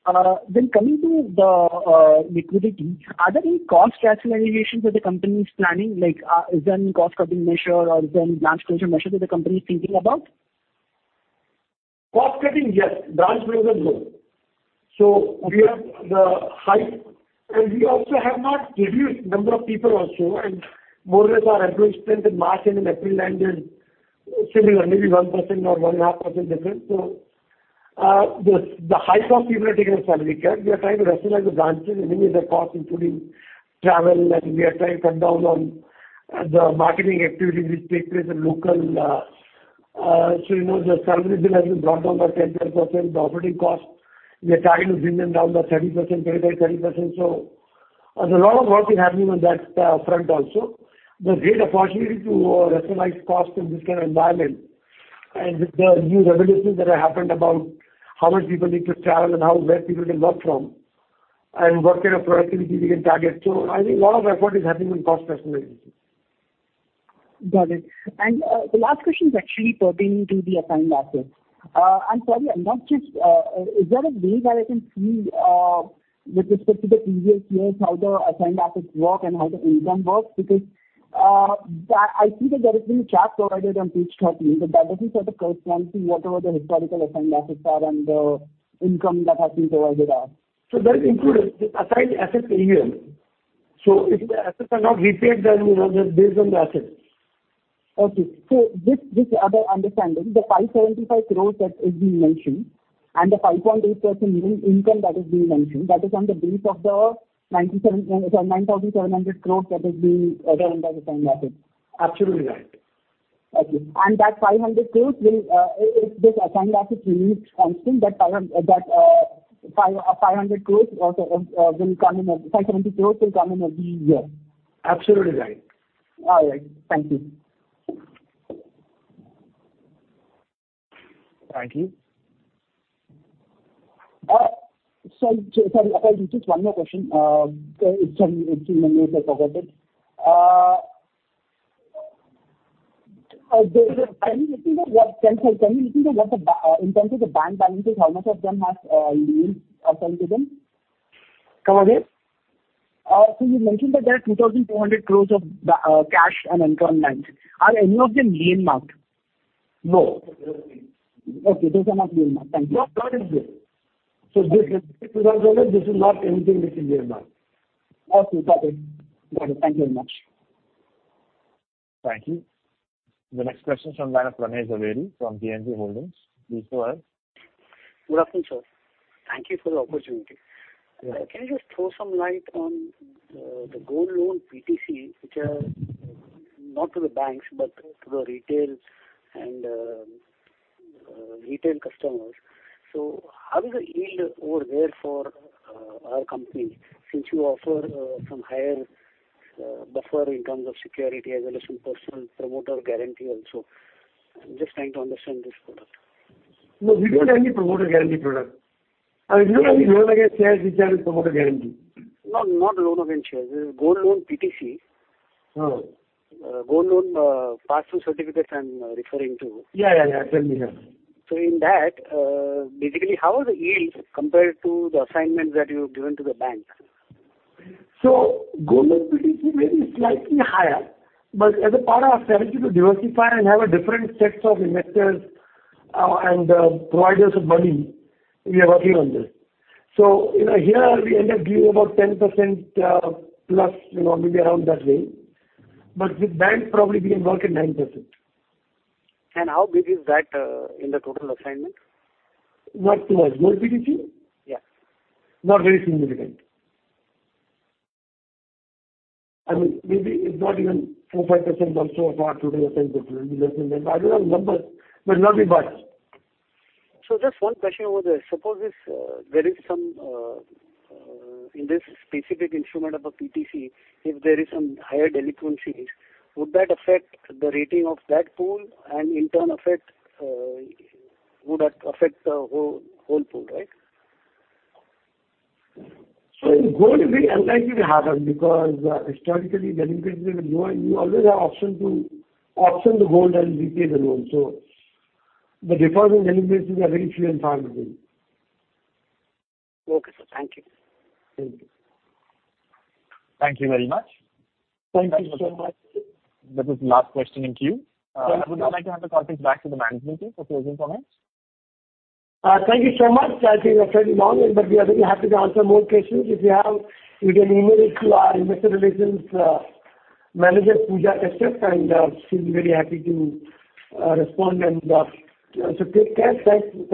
Coming to the liquidity, are there any cost rationalizations that the company is planning, like is there any cost-cutting measure or is there any branch closure measure that the company is thinking about? Cost-cutting, yes. Branch closure, no. We also have not reduced number of people also, and more or less our employee strength in March end and April end is similar, maybe 1% or 1.5% difference. The high-cost people have taken a salary cut. We are trying to rationalize the branches, minimize the cost, including travel, and we are trying to cut down on the marketing activities which take place at local. The salary bill has been brought down by 10%-12%, the operating cost, we are trying to bring them down by 30%, 25%-30%. There's a lot of work is happening on that front also. There's great opportunity to rationalize cost in this kind of environment and with the new revelations that have happened about how much people need to travel and where people can work from, and what kind of productivity we can target. I think a lot of effort is happening in cost rationalization. Got it. The last question is actually pertaining to the assigned assets. I'm sorry, is there a way that I can see with respect to the previous years how the assigned assets work and how the income works? I see that there is a chart provided on page 13, but that doesn't sort of correspond to whatever the historical assigned assets are and the income that has been provided are. That is included. The assigned assets AUM. If the assets are not repaid, then it is based on the assets. Just understanding, the 575 crores that is being mentioned and the 5.8% yield income that is being mentioned, that is on the base of the 9,700 crores that is being given by assigned assets. Absolutely right. Okay. That 500 crores will, if this assigned assets remains constant, that 575 crores will come in every year. Absolutely right. All right. Thank you. Thank you. Sorry. Just one more question. You have mentioned that there are INR 2,200 crores of cash and undrawn line are any of then lien marked? Come again? You mentioned that there are 2,200 crores of cash and undrawn lines. Are any of them lien marked? No. Okay. Those are not lien marked. Not at this stage. This is not anything which is lien marked. Okay. Got it. Thank you very much. Thank you. The next question is from the line of Ramesh Jhaveri from JNG Holdings. Please go ahead. Good afternoon, sir. Thank you for the opportunity. Can you just throw some light on the gold loan PTC, which are not to the banks, but to the retail customers. How is the yield over there for our company since you offer some higher buffer in terms of security as well as some personal promoter guarantee also? I'm just trying to understand this product. No, we don't have any promoter guarantee product. We don't have any loan against shares which has promoter guarantee. No, not loan against shares. Gold loan PTC. Oh. Gold loan Pass-Through Certificates I'm referring to. Yeah. Tell me. In that, basically how is the yield compared to the assignments that you've given to the banks? Gold loan PTC may be slightly higher, but as a part of our strategy to diversify and have a different sets of investors and providers of money, we are working on this. Here we ended up giving about 10%+, maybe around that range. With banks, probably we work at 9%. How big is that in the total assignment? What, gold PTC? Yeah. Not very significant. Maybe it's not even 4%- 5% also of our total assignments. It will be less than that. I don't have numbers, but not big bucks. Just one question over there. Suppose if there is some, in this specific instrument of a PTC, if there is some higher delinquencies, would that affect the rating of that pool and in turn would affect the whole pool, right? In gold it is unlikely to happen because historically delinquencies have been low and you always have option to auction the gold and repay the loan. The defaults and delinquencies are very few and far between. Okay, sir. Thank you. Thank you. Thank you very much. Thank you so much. That was the last question in queue. I would now like to hand the conference back to the management team for closing comments. Thank you so much. I think we have taken long. We are very happy to answer more questions. If you have, you can email it to our investor relations manager, Pooja Kashyap, and she'll be very happy to respond. Take care. Thanks.